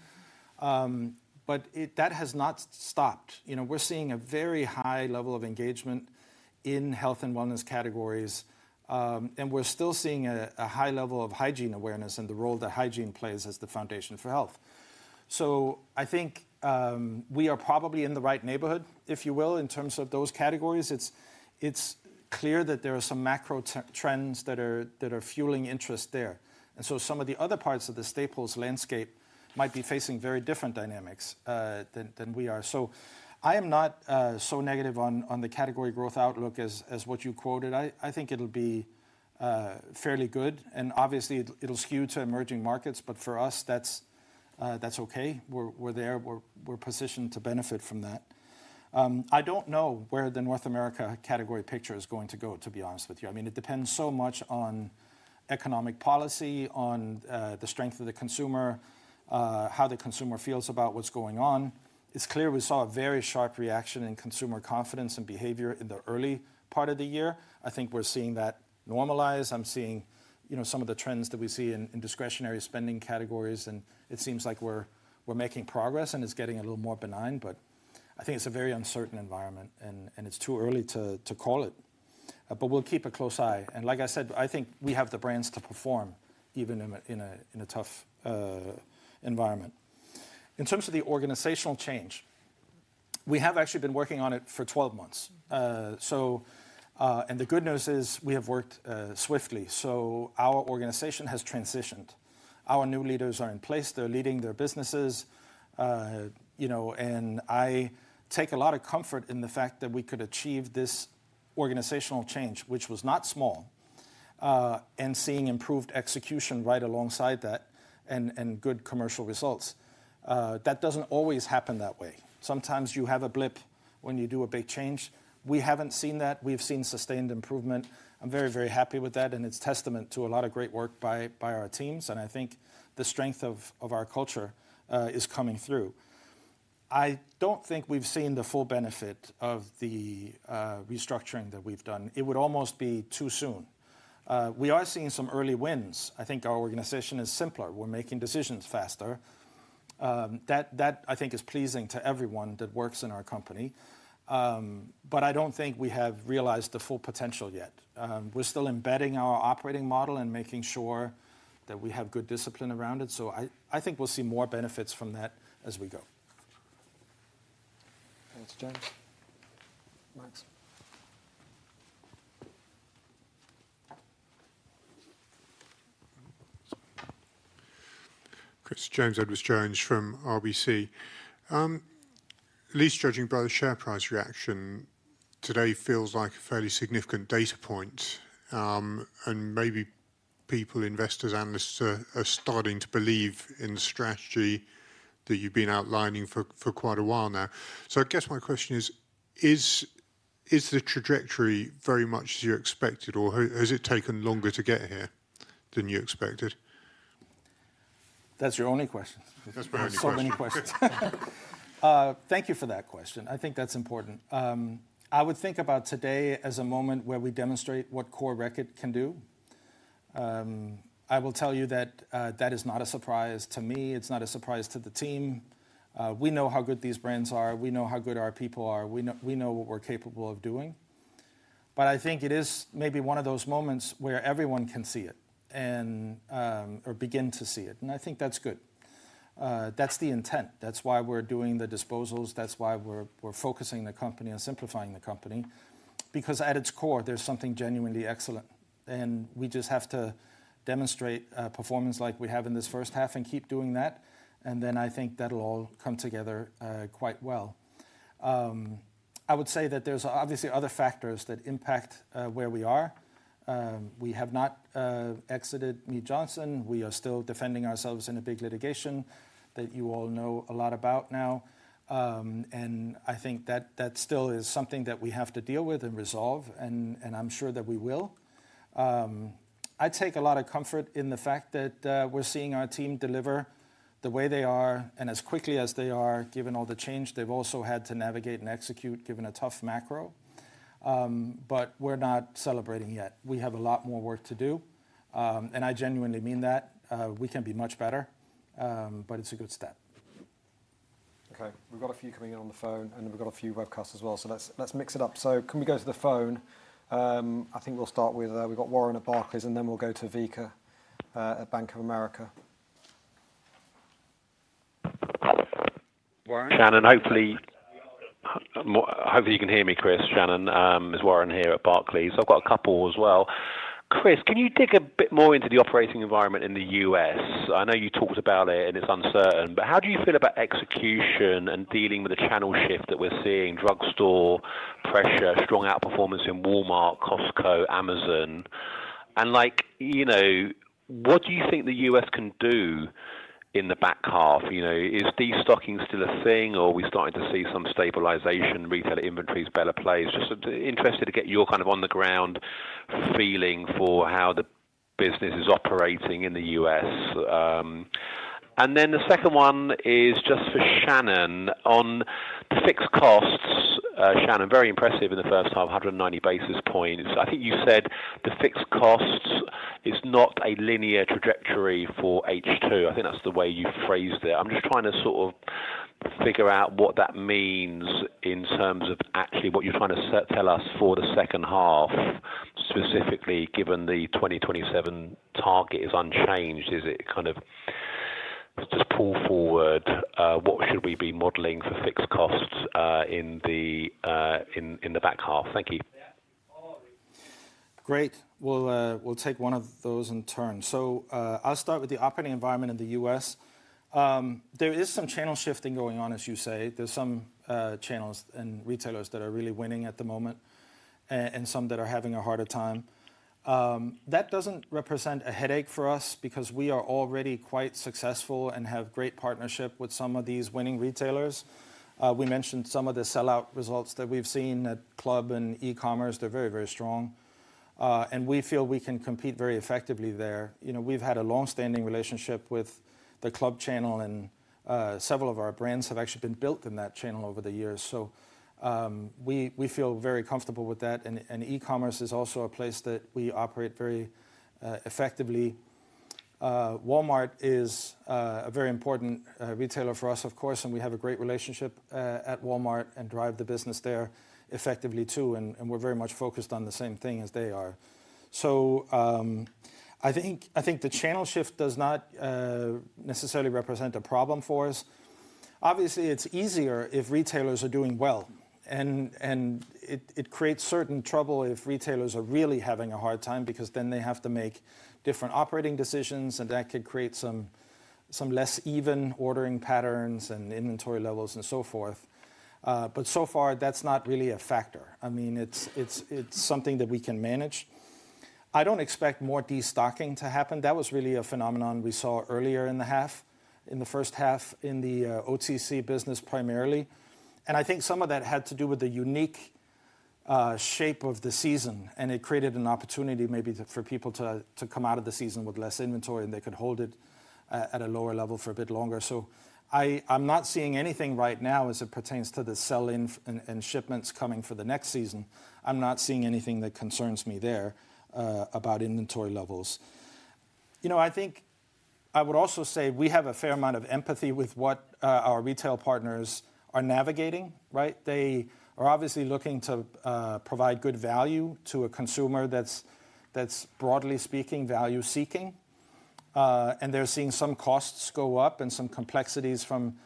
But that has not stopped. We're seeing a very high level of engagement in health and wellness categories. And we're still seeing a high level of hygiene awareness and the role that hygiene plays as the foundation for health. So I think. We are probably in the right neighborhood, if you will, in terms of those categories. It's clear that there are some macro trends that are fueling interest there. Some of the other parts of the staples landscape might be facing very different dynamics than we are. I am not so negative on the category growth outlook as what you quoted. I think it'll be fairly good. Obviously, it'll skew to emerging markets. For us, that's okay. We're there. We're positioned to benefit from that. I don't know where the North America category picture is going to go, to be honest with you. I mean, it depends so much on economic policy, on the strength of the consumer, how the consumer feels about what's going on. It's clear we saw a very sharp reaction in consumer confidence and behavior in the early part of the year. I think we're seeing that normalize. I'm seeing some of the trends that we see in discretionary spending categories. It seems like we're making progress and it's getting a little more benign. I think it's a very uncertain environment and it's too early to call it. We'll keep a close eye. Like I said, I think we have the brains to perform even in a tough environment. In terms of the organizational change, we have actually been working on it for 12 months. The good news is we have worked swiftly. Our organization has transitioned. Our new leaders are in place. They're leading their businesses. I take a lot of comfort in the fact that we could achieve this organizational change, which was not small. Seeing improved execution right alongside that and good commercial results. That doesn't always happen that way. Sometimes you have a blip when you do a big change. We haven't seen that. We've seen sustained improvement. I'm very, very happy with that. It's testament to a lot of great work by our teams. I think the strength of our culture is coming through. I don't think we've seen the full benefit of the restructuring that we've done. It would almost be too soon. We are seeing some early wins. I think our organization is simpler. We're making decisions faster. That, I think, is pleasing to everyone that works in our company. I don't think we have realized the full potential yet. We're still embedding our operating model and making sure that we have good discipline around it. I think we'll see more benefits from that as we go. Next, James. Max. Kris, James Edwardes Jones from RBC. Least judging by the share price reaction, today feels like a fairly significant data point. Maybe people, investors, analysts are starting to believe in the strategy that you've been outlining for quite a while now. I guess my question is. Is the trajectory very much as you expected, or has it taken longer to get here than you expected? That's your only question. There are so many questions. Thank you for that question. I think that's important. I would think about today as a moment where we demonstrate what Core Reckitt can do. I will tell you that that is not a surprise to me. It's not a surprise to the team. We know how good these brands are. We know how good our people are. We know what we're capable of doing. I think it is maybe one of those moments where everyone can see it. Or begin to see it. I think that's good. That's the intent. That's why we're doing the disposals. That's why we're focusing the company and simplifying the company. Because at its core, there's something genuinely excellent. We just have to demonstrate performance like we have in this first half and keep doing that. I think that'll all come together quite well. I would say that there are obviously other factors that impact where we are. We have not exited Mead Johnson. We are still defending ourselves in a big litigation that you all know a lot about now. I think that that still is something that we have to deal with and resolve. I'm sure that we will. I take a lot of comfort in the fact that we're seeing our team deliver the way they are and as quickly as they are, given all the change they've also had to navigate and execute, given a tough macro. We're not celebrating yet. We have a lot more work to do. I genuinely mean that. We can be much better. It's a good start. Okay, we've got a few coming in on the phone, and then we've got a few webcasts as well. Let's mix it up. Can we go to the phone? I think we'll start with we've got Warren at Barclays, and then we'll go to Vika at Bank of America. Shannon, hopefully you can hear me. Kris, Shannon, is Warren here at Barclays? I've got a couple as well. Kris, can you dig a bit more into the operating environment in the U.S.? I know you talked about it and it's uncertain, but how do you feel about execution and dealing with the channel shift that we're seeing? Drugstore pressure, strong outperformance in Walmart, Costco, Amazon. What do you think the U.S. can do in the back half? Is destocking still a thing, or are we starting to see some stabilization? Retail inventories better place? Just interested to get your kind of on-the-ground feeling for how the business is operating in the U.S. And then the second one is just for Shannon on the fixed costs. Shannon, very impressive in the first half, 190 basis points. I think you said the fixed costs is not a linear trajectory for H2. I think that's the way you phrased it. I'm just trying to sort of figure out what that means in terms of actually what you're trying to tell us for the second half. Specifically, given the 2027 target is unchanged, is it kind of just pull forward? What should we be modeling for fixed costs in the back half? Thank you. Great. We'll take one of those in turn. I'll start with the operating environment in the U.S. There is some channel shifting going on, as you say. There are some channels and retailers that are really winning at the moment, and some that are having a harder time. That doesn't represent a headache for us because we are already quite successful and have great partnership with some of these winning retailers. We mentioned some of the sellout results that we've seen at Club and e-commerce. They're very, very strong, and we feel we can compete very effectively there. We've had a long-standing relationship with the Club channel, and several of our brands have actually been built in that channel over the years. We feel very comfortable with that, and e-commerce is also a place that we operate very effectively. Walmart is a very important retailer for us, of course, and we have a great relationship at Walmart and drive the business there effectively too. We're very much focused on the same thing as they are. I think the channel shift does not necessarily represent a problem for us. Obviously, it's easier if retailers are doing well. It creates certain trouble if retailers are really having a hard time because then they have to make different operating decisions, and that could create some less even ordering patterns and inventory levels and so forth. So far, that's not really a factor. I mean, it's something that we can manage. I don't expect more destocking to happen. That was really a phenomenon we saw earlier in the half, in the first half in the OTC business primarily. I think some of that had to do with the unique shape of the season, and it created an opportunity maybe for people to come out of the season with less inventory, and they could hold it at a lower level for a bit longer. I'm not seeing anything right now as it pertains to the sell-in and shipments coming for the next season. I'm not seeing anything that concerns me there about inventory levels. I think I would also say we have a fair amount of empathy with what our retail partners are navigating. They are obviously looking to provide good value to a consumer that's, broadly speaking, value-seeking, and they're seeing some costs go up and some complexities from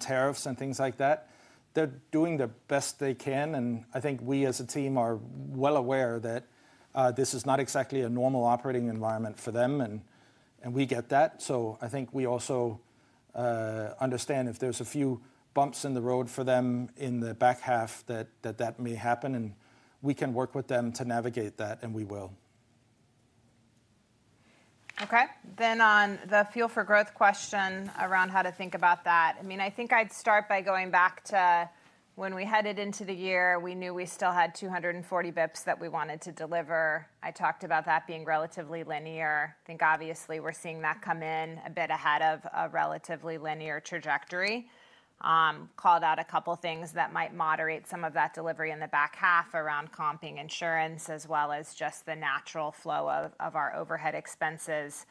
tariffs and things like that. They're doing the best they can. I think we as a team are well aware that this is not exactly a normal operating environment for them, and we get that. I think we also understand if there's a few bumps in the road for them in the back half that that may happen, and we can work with them to navigate that, and we will. Okay, then on the Fuel for Growth question around how to think about that. I mean, I think I'd start by going back to when we headed into the year, we knew we still had 240 bps that we wanted to deliver. I talked about that being relatively linear. I think obviously we're seeing that come in a bit ahead of a relatively linear trajectory. Called out a couple of things that might moderate some of that delivery in the back half around comping insurance, as well as just the natural flow of our overhead expenses.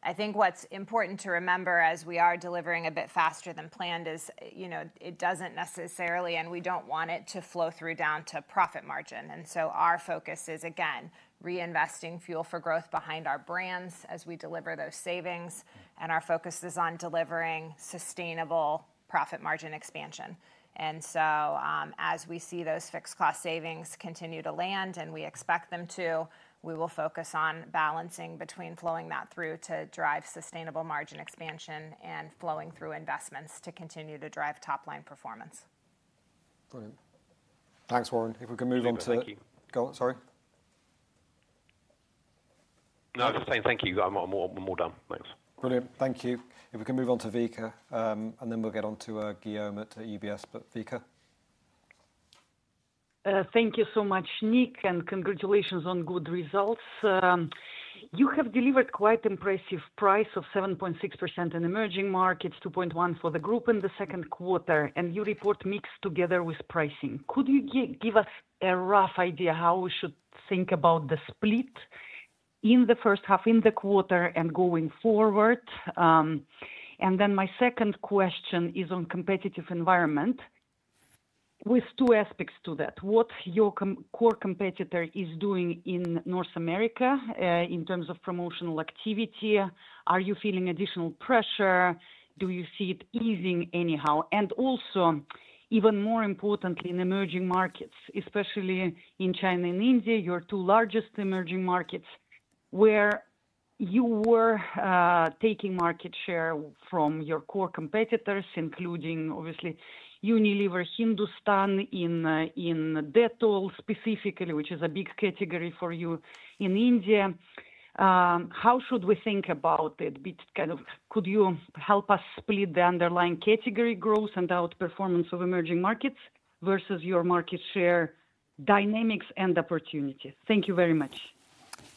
I think what's important to remember as we are delivering a bit faster than planned is it doesn't necessarily, and we don't want it to, flow through down to profit margin. Our focus is, again, reinvesting fuel for growth behind our brands as we deliver those savings. Our focus is on delivering sustainable profit margin expansion. As we see those fixed cost savings continue to land, and we expect them to, we will focus on balancing between flowing that through to drive sustainable margin expansion and flowing through investments to continue to drive top-line performance. Brilliant. Thanks, Warren. If we can move on to. Thank you. Go on, sorry. No, I was just saying thank you. I'm all done. Thanks. Brilliant. Thank you. If we can move on to Vika, and then we'll get on to Guillaume at UBS. But Vika. Thank you so much, Nick, and congratulations on good results. You have delivered quite an impressive price of 7.6% in emerging markets, 2.1% for the group in the second quarter, and your report mixed together with pricing. Could you give us a rough idea how we should think about the split in the first half, in the quarter, and going forward? My second question is on the competitive environment, with two aspects to that. What your core competitor is doing in North America in terms of promotional activity? Are you feeling additional pressure? Do you see it easing anyhow? Also, even more importantly, in emerging markets, especially in China and India, your two largest emerging markets, where you were taking market share from your core competitors, including, obviously, Unilever Hindustan in Dettol specifically, which is a big category for you in India. How should we think about it? Could you help us split the underlying category growth and outperformance of emerging markets versus your market share dynamics and opportunities? Thank you very much.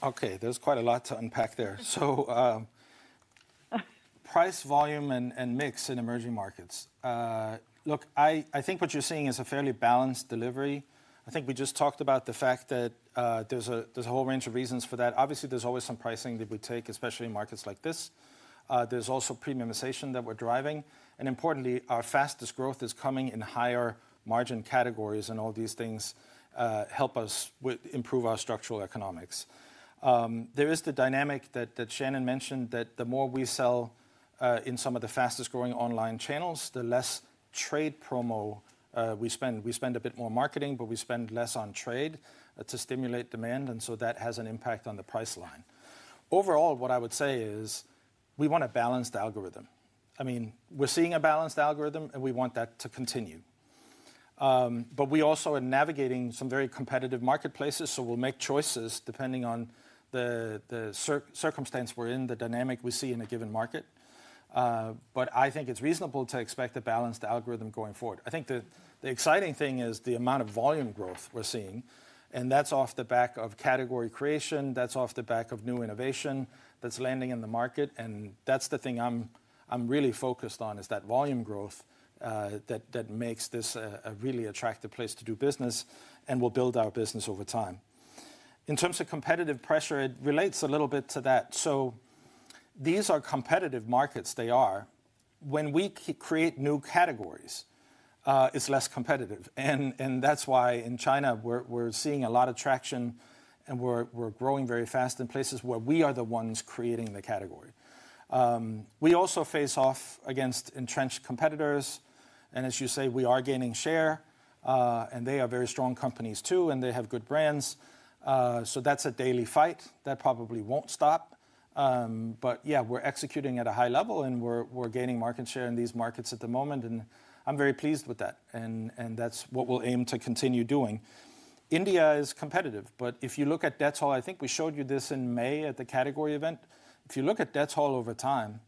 Okay, there's quite a lot to unpack there. Price, volume, and mix in emerging markets. Look, I think what you're seeing is a fairly balanced delivery. I think we just talked about the fact that there's a whole range of reasons for that. Obviously, there's always some pricing that we take, especially in markets like this. There's also premiumization that we're driving. And importantly, our fastest growth is coming in higher margin categories, and all these things help us improve our structural economics. There is the dynamic that Shannon mentioned that the more we sell in some of the fastest growing online channels, the less trade promo we spend. We spend a bit more marketing, but we spend less on trade to stimulate demand. That has an impact on the price line. Overall, what I would say is we want a balanced algorithm. I mean, we're seeing a balanced algorithm, and we want that to continue. We also are navigating some very competitive marketplaces, so we'll make choices depending on the circumstance we're in, the dynamic we see in a given market. I think it's reasonable to expect a balanced algorithm going forward. I think the exciting thing is the amount of volume growth we're seeing. That's off the back of category creation. That's off the back of new innovation that's landing in the market. That's the thing I'm really focused on is that volume growth. That makes this a really attractive place to do business and will build our business over time. In terms of competitive pressure, it relates a little bit to that. These are competitive markets. They are. When we create new categories, it's less competitive. That's why in China, we're seeing a lot of traction, and we're growing very fast in places where we are the ones creating the category. We also face off against entrenched competitors. As you say, we are gaining share. They are very strong companies too, and they have good brands. That's a daily fight. That probably won't stop. Yeah, we're executing at a high level, and we're gaining market share in these markets at the moment. I'm very pleased with that. That's what we'll aim to continue doing. India is competitive. If you look at Dettol, I think we showed you this in May at the category event. If you look at Dettol over time,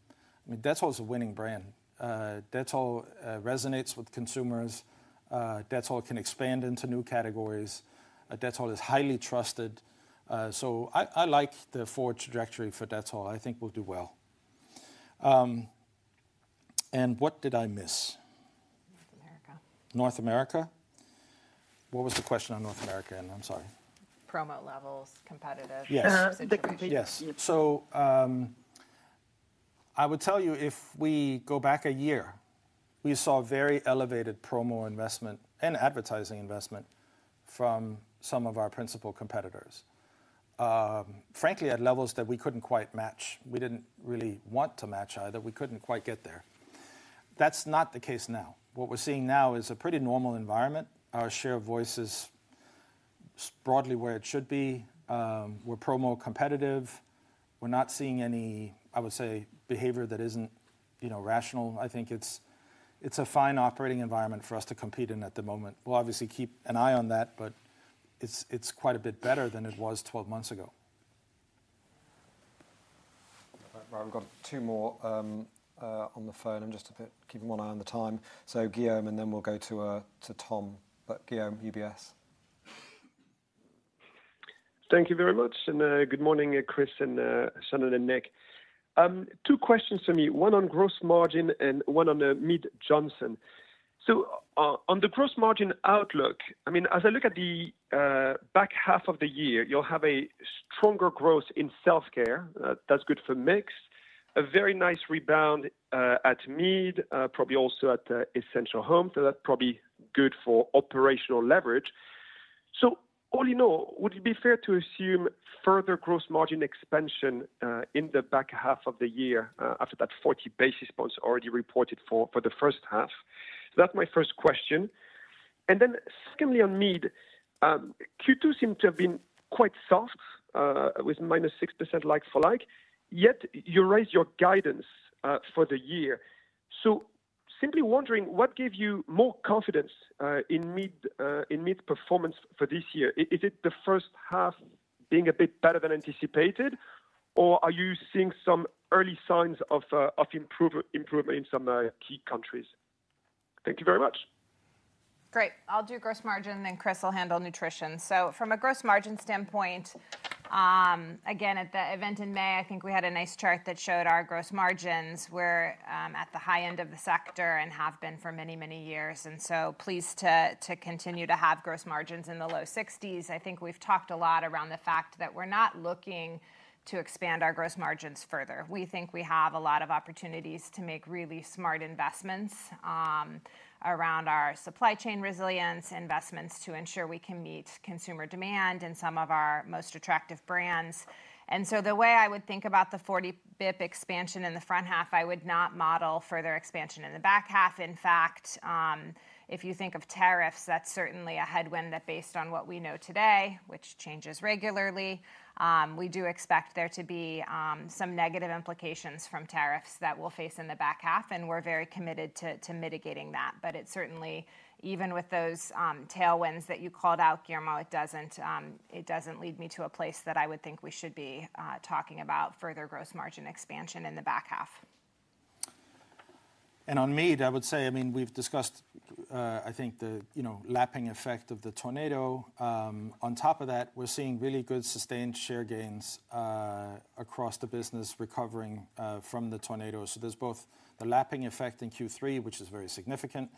I mean, Dettol is a winning brand. Dettol resonates with consumers. Dettol can expand into new categories. Dettol is highly trusted. I like the forward trajectory for Dettol. I think we'll do well. What did I miss? North America. North America? What was the question on North America? I'm sorry. Promo levels, competitive. Yes. Yes. I would tell you if we go back a year, we saw very elevated promo investment and advertising investment from some of our principal competitors. Frankly, at levels that we couldn't quite match. We didn't really want to match either. We couldn't quite get there. That's not the case now. What we're seeing now is a pretty normal environment. Our share of voice is broadly where it should be. We're promo competitive. We're not seeing any, I would say, behavior that isn't rational. I think it's a fine operating environment for us to compete in at the moment. We'll obviously keep an eye on that, but it's quite a bit better than it was 12 months ago. I've got two more. On the phone. I'm just keeping one eye on the time. Guillaume, and then we'll go to Tom. Guillaume, UBS. Thank you very much. Good morning, Kris and Shannon and Nick. Two questions for me. One on gross margin and one on Mead Johnson. On the gross margin outlook, I mean, as I look at the back half of the year, you'll have a stronger growth in self-care. That's good for mix. A very nice rebound at Mead, probably also at Essential Home. That's probably good for operational leverage. All in all, would it be fair to assume further gross margin expansion in the back half of the year after that 40 basis points already reported for the first half? That's my first question. Secondly, on Mead, Q2 seemed to have been quite soft with -6% like-for-like, yet you raised your guidance for the year. Simply wondering, what gave you more confidence in Mead performance for this year? Is it the first half being a bit better than anticipated, or are you seeing some early signs of improvement in some key countries? Thank you very much. Great. I'll do gross margin, and then Kris will handle nutrition. From a gross margin standpoint, again, at the event in May, I think we had a nice chart that showed our gross margins. We're at the high end of the sector and have been for many, many years. I'm pleased to continue to have gross margins in the low 60s. I think we've talked a lot around the fact that we're not looking to expand our gross margins further. We think we have a lot of opportunities to make really smart investments around our supply chain resilience investments to ensure we can meet consumer demand in some of our most attractive brands. The way I would think about the 40 bps expansion in the front half, I would not model further expansion in the back half. In fact, if you think of tariffs, that's certainly a headwind that, based on what we know today, which changes regularly, we do expect there to be some negative implications from tariffs that we'll face in the back half. We're very committed to mitigating that. Even with those tailwinds that you called out, Guillermo, it doesn't lead me to a place that I would think we should be talking about further gross margin expansion in the back half. On Mead, I would say, I mean, we've discussed, I think, the lapping effect of the tornado. On top of that, we're seeing really good sustained share gains across the business recovering from the tornado. There is both the lapping effect in Q3, which is very significant,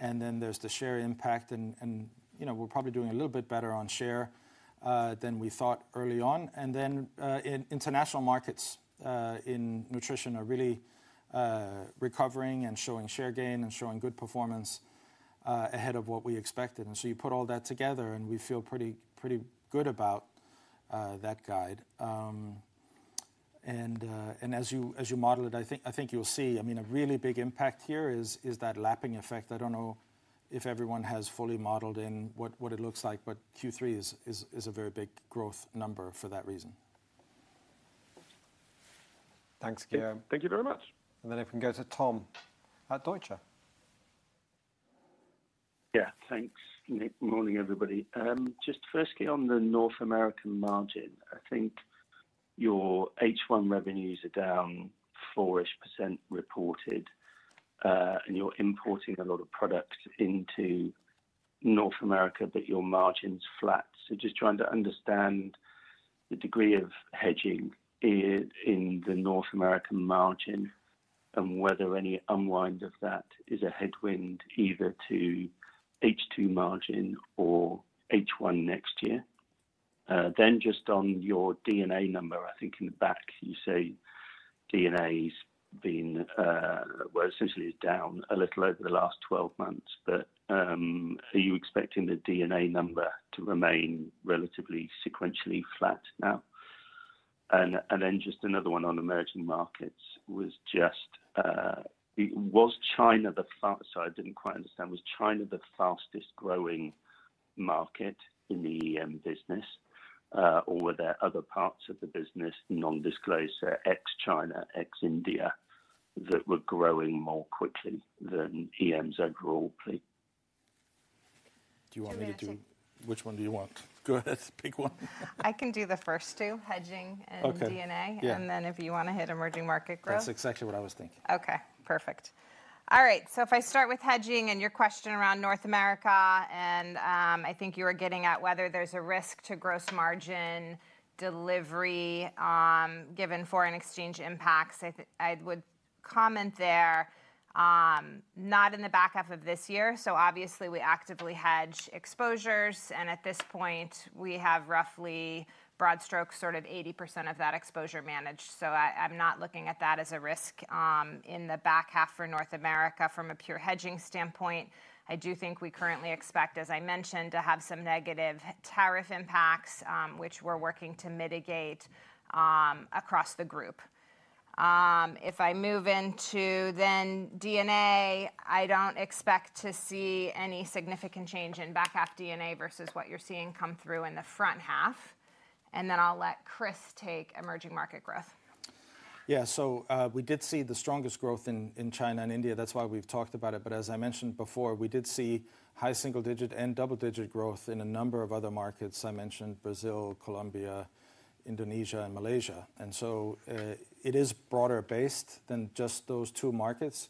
and then there is the share impact. We're probably doing a little bit better on share than we thought early on. International markets in nutrition are really recovering and showing share gain and showing good performance ahead of what we expected. You put all that together, and we feel pretty good about that guide. As you model it, I think you'll see, I mean, a really big impact here is that lapping effect. I do not know if everyone has fully modeled in what it looks like, but Q3 is a very big growth number for that reason. Thanks, Guillaume. Thank you very much. If we can go to Tom at Deutsche. Yeah, thanks, Nick. Morning, everybody. Just firstly on the North American margin, I think. Your H1 revenues are down 4% reported. And you're importing a lot of product into North America, but your margin's flat. Just trying to understand the degree of hedging in the North American margin and whether any unwind of that is a headwind either to H2 margin or H1 next year. Just on your D&A number, I think in the back, you say D&A has been, well, essentially is down a little over the last 12 months. Are you expecting the D&A number to remain relatively sequentially flat now? Another one on emerging markets was just, was China the—sorry, I didn't quite understand—was China the fastest growing market in the EM business, or were there other parts of the business, non-disclosed, ex-China, ex-India, that were growing more quickly than EMs overall? Do you want me to do which one do you want? Go ahead, pick one. I can do the first two, hedging and D&A. If you want to hit emerging market growth. That's exactly what I was thinking. Okay, perfect. All right, if I start with hedging and your question around North America, and I think you were getting at whether there's a risk to gross margin delivery given foreign exchange impacts, I would comment there. Not in the back half of this year. Obviously, we actively hedge exposures. At this point, we have roughly, broad strokes, sort of 80% of that exposure managed. I'm not looking at that as a risk in the back half for North America from a pure hedging standpoint. I do think we currently expect, as I mentioned, to have some negative tariff impacts, which we're working to mitigate. Across the group. If I move into then D&A, I don't expect to see any significant change in back half D&A versus what you're seeing come through in the front half. I'll let Kris take emerging market growth. Yeah, so we did see the strongest growth in China and India. That's why we've talked about it. As I mentioned before, we did see high single-digit and double-digit growth in a number of other markets I mentioned: Brazil, Colombia, Indonesia, and Malaysia. It is broader based than just those two markets.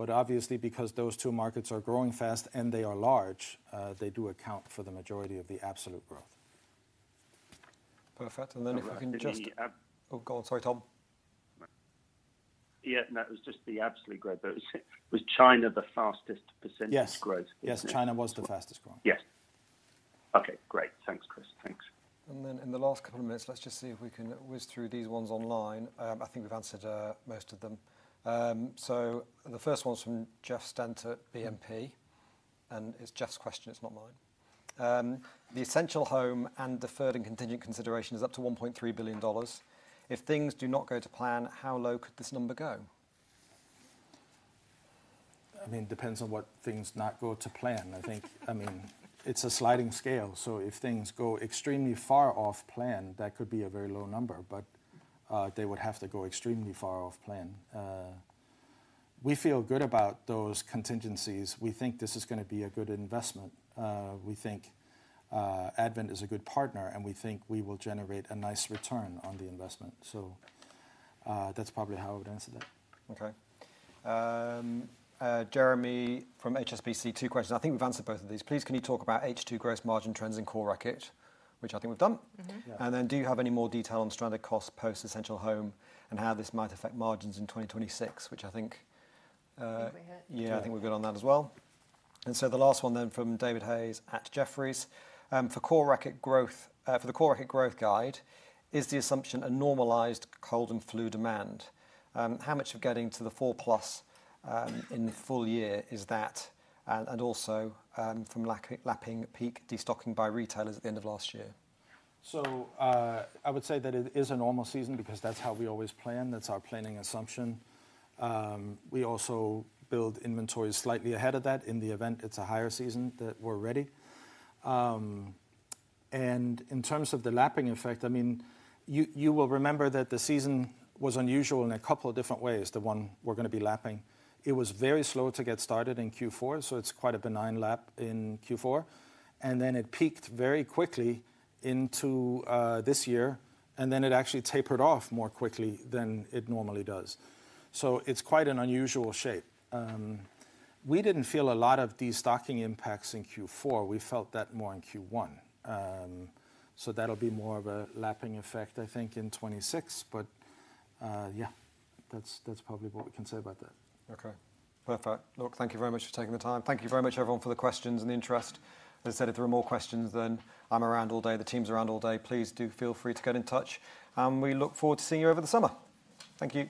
Obviously, because those two markets are growing fast and they are large, they do account for the majority of the absolute growth. Perfect. If we can just—oh, go on, sorry, Tom. Yeah, and that was just the absolute growth. Was China the fastest percentage growth? Yes, China was the fastest growth. Yes. Okay, great. Thanks, Kris. Thanks. In the last couple of minutes, let's just see if we can whiz through these ones online. I think we've answered most of them. The first one is from Jeff Stenter, BNP. And it's Jeff's question. It's not mine. The Essential Home and deferred and contingent consideration is up to GBP 1.3 billion. If things do not go to plan, how low could this number go? I mean, it depends on what things not go to plan. I think, I mean, it's a sliding scale. If things go extremely far off plan, that could be a very low number. They would have to go extremely far off plan. We feel good about those contingencies. We think this is going to be a good investment. We think Advent is a good partner, and we think we will generate a nice return on the investment. That's probably how I would answer that. Okay. Jeremy from HSBC, two questions. I think we've answered both of these. Please, can you talk about H2 gross margin trends in Core Reckitt, which I think we've done? And then do you have any more detail on stranded costs post Essential Home and how this might affect margins in 2026, which I think— I think we had. Yeah, I think we've got on that as well. The last one then from David Hayes at Jefferies. For Core Reckitt growth, for the Core Reckitt growth guide, is the assumption a normalized cold and flu demand? How much of getting to the four plus in the full year is that? Also from lapping peak destocking by retailers at the end of last year? I would say that it is a normal season because that's how we always plan. That's our planning assumption. We also build inventory slightly ahead of that in the event it's a higher season that we're ready. In terms of the lapping effect, I mean, you will remember that the season was unusual in a couple of different ways. The one we're going to be lapping, it was very slow to get started in Q4. It's quite a benign lap in Q4. Then it peaked very quickly into this year. It actually tapered off more quickly than it normally does. It's quite an unusual shape. We didn't feel a lot of destocking impacts in Q4. We felt that more in Q1. That'll be more of a lapping effect, I think, in 2026. Yeah, that's probably what we can say about that. Okay. Perfect. Look, thank you very much for taking the time. Thank you very much, everyone, for the questions and the interest. As I said, if there are more questions then I'm around all day, the team's around all day, please do feel free to get in touch. We look forward to seeing you over the summer. Thank you.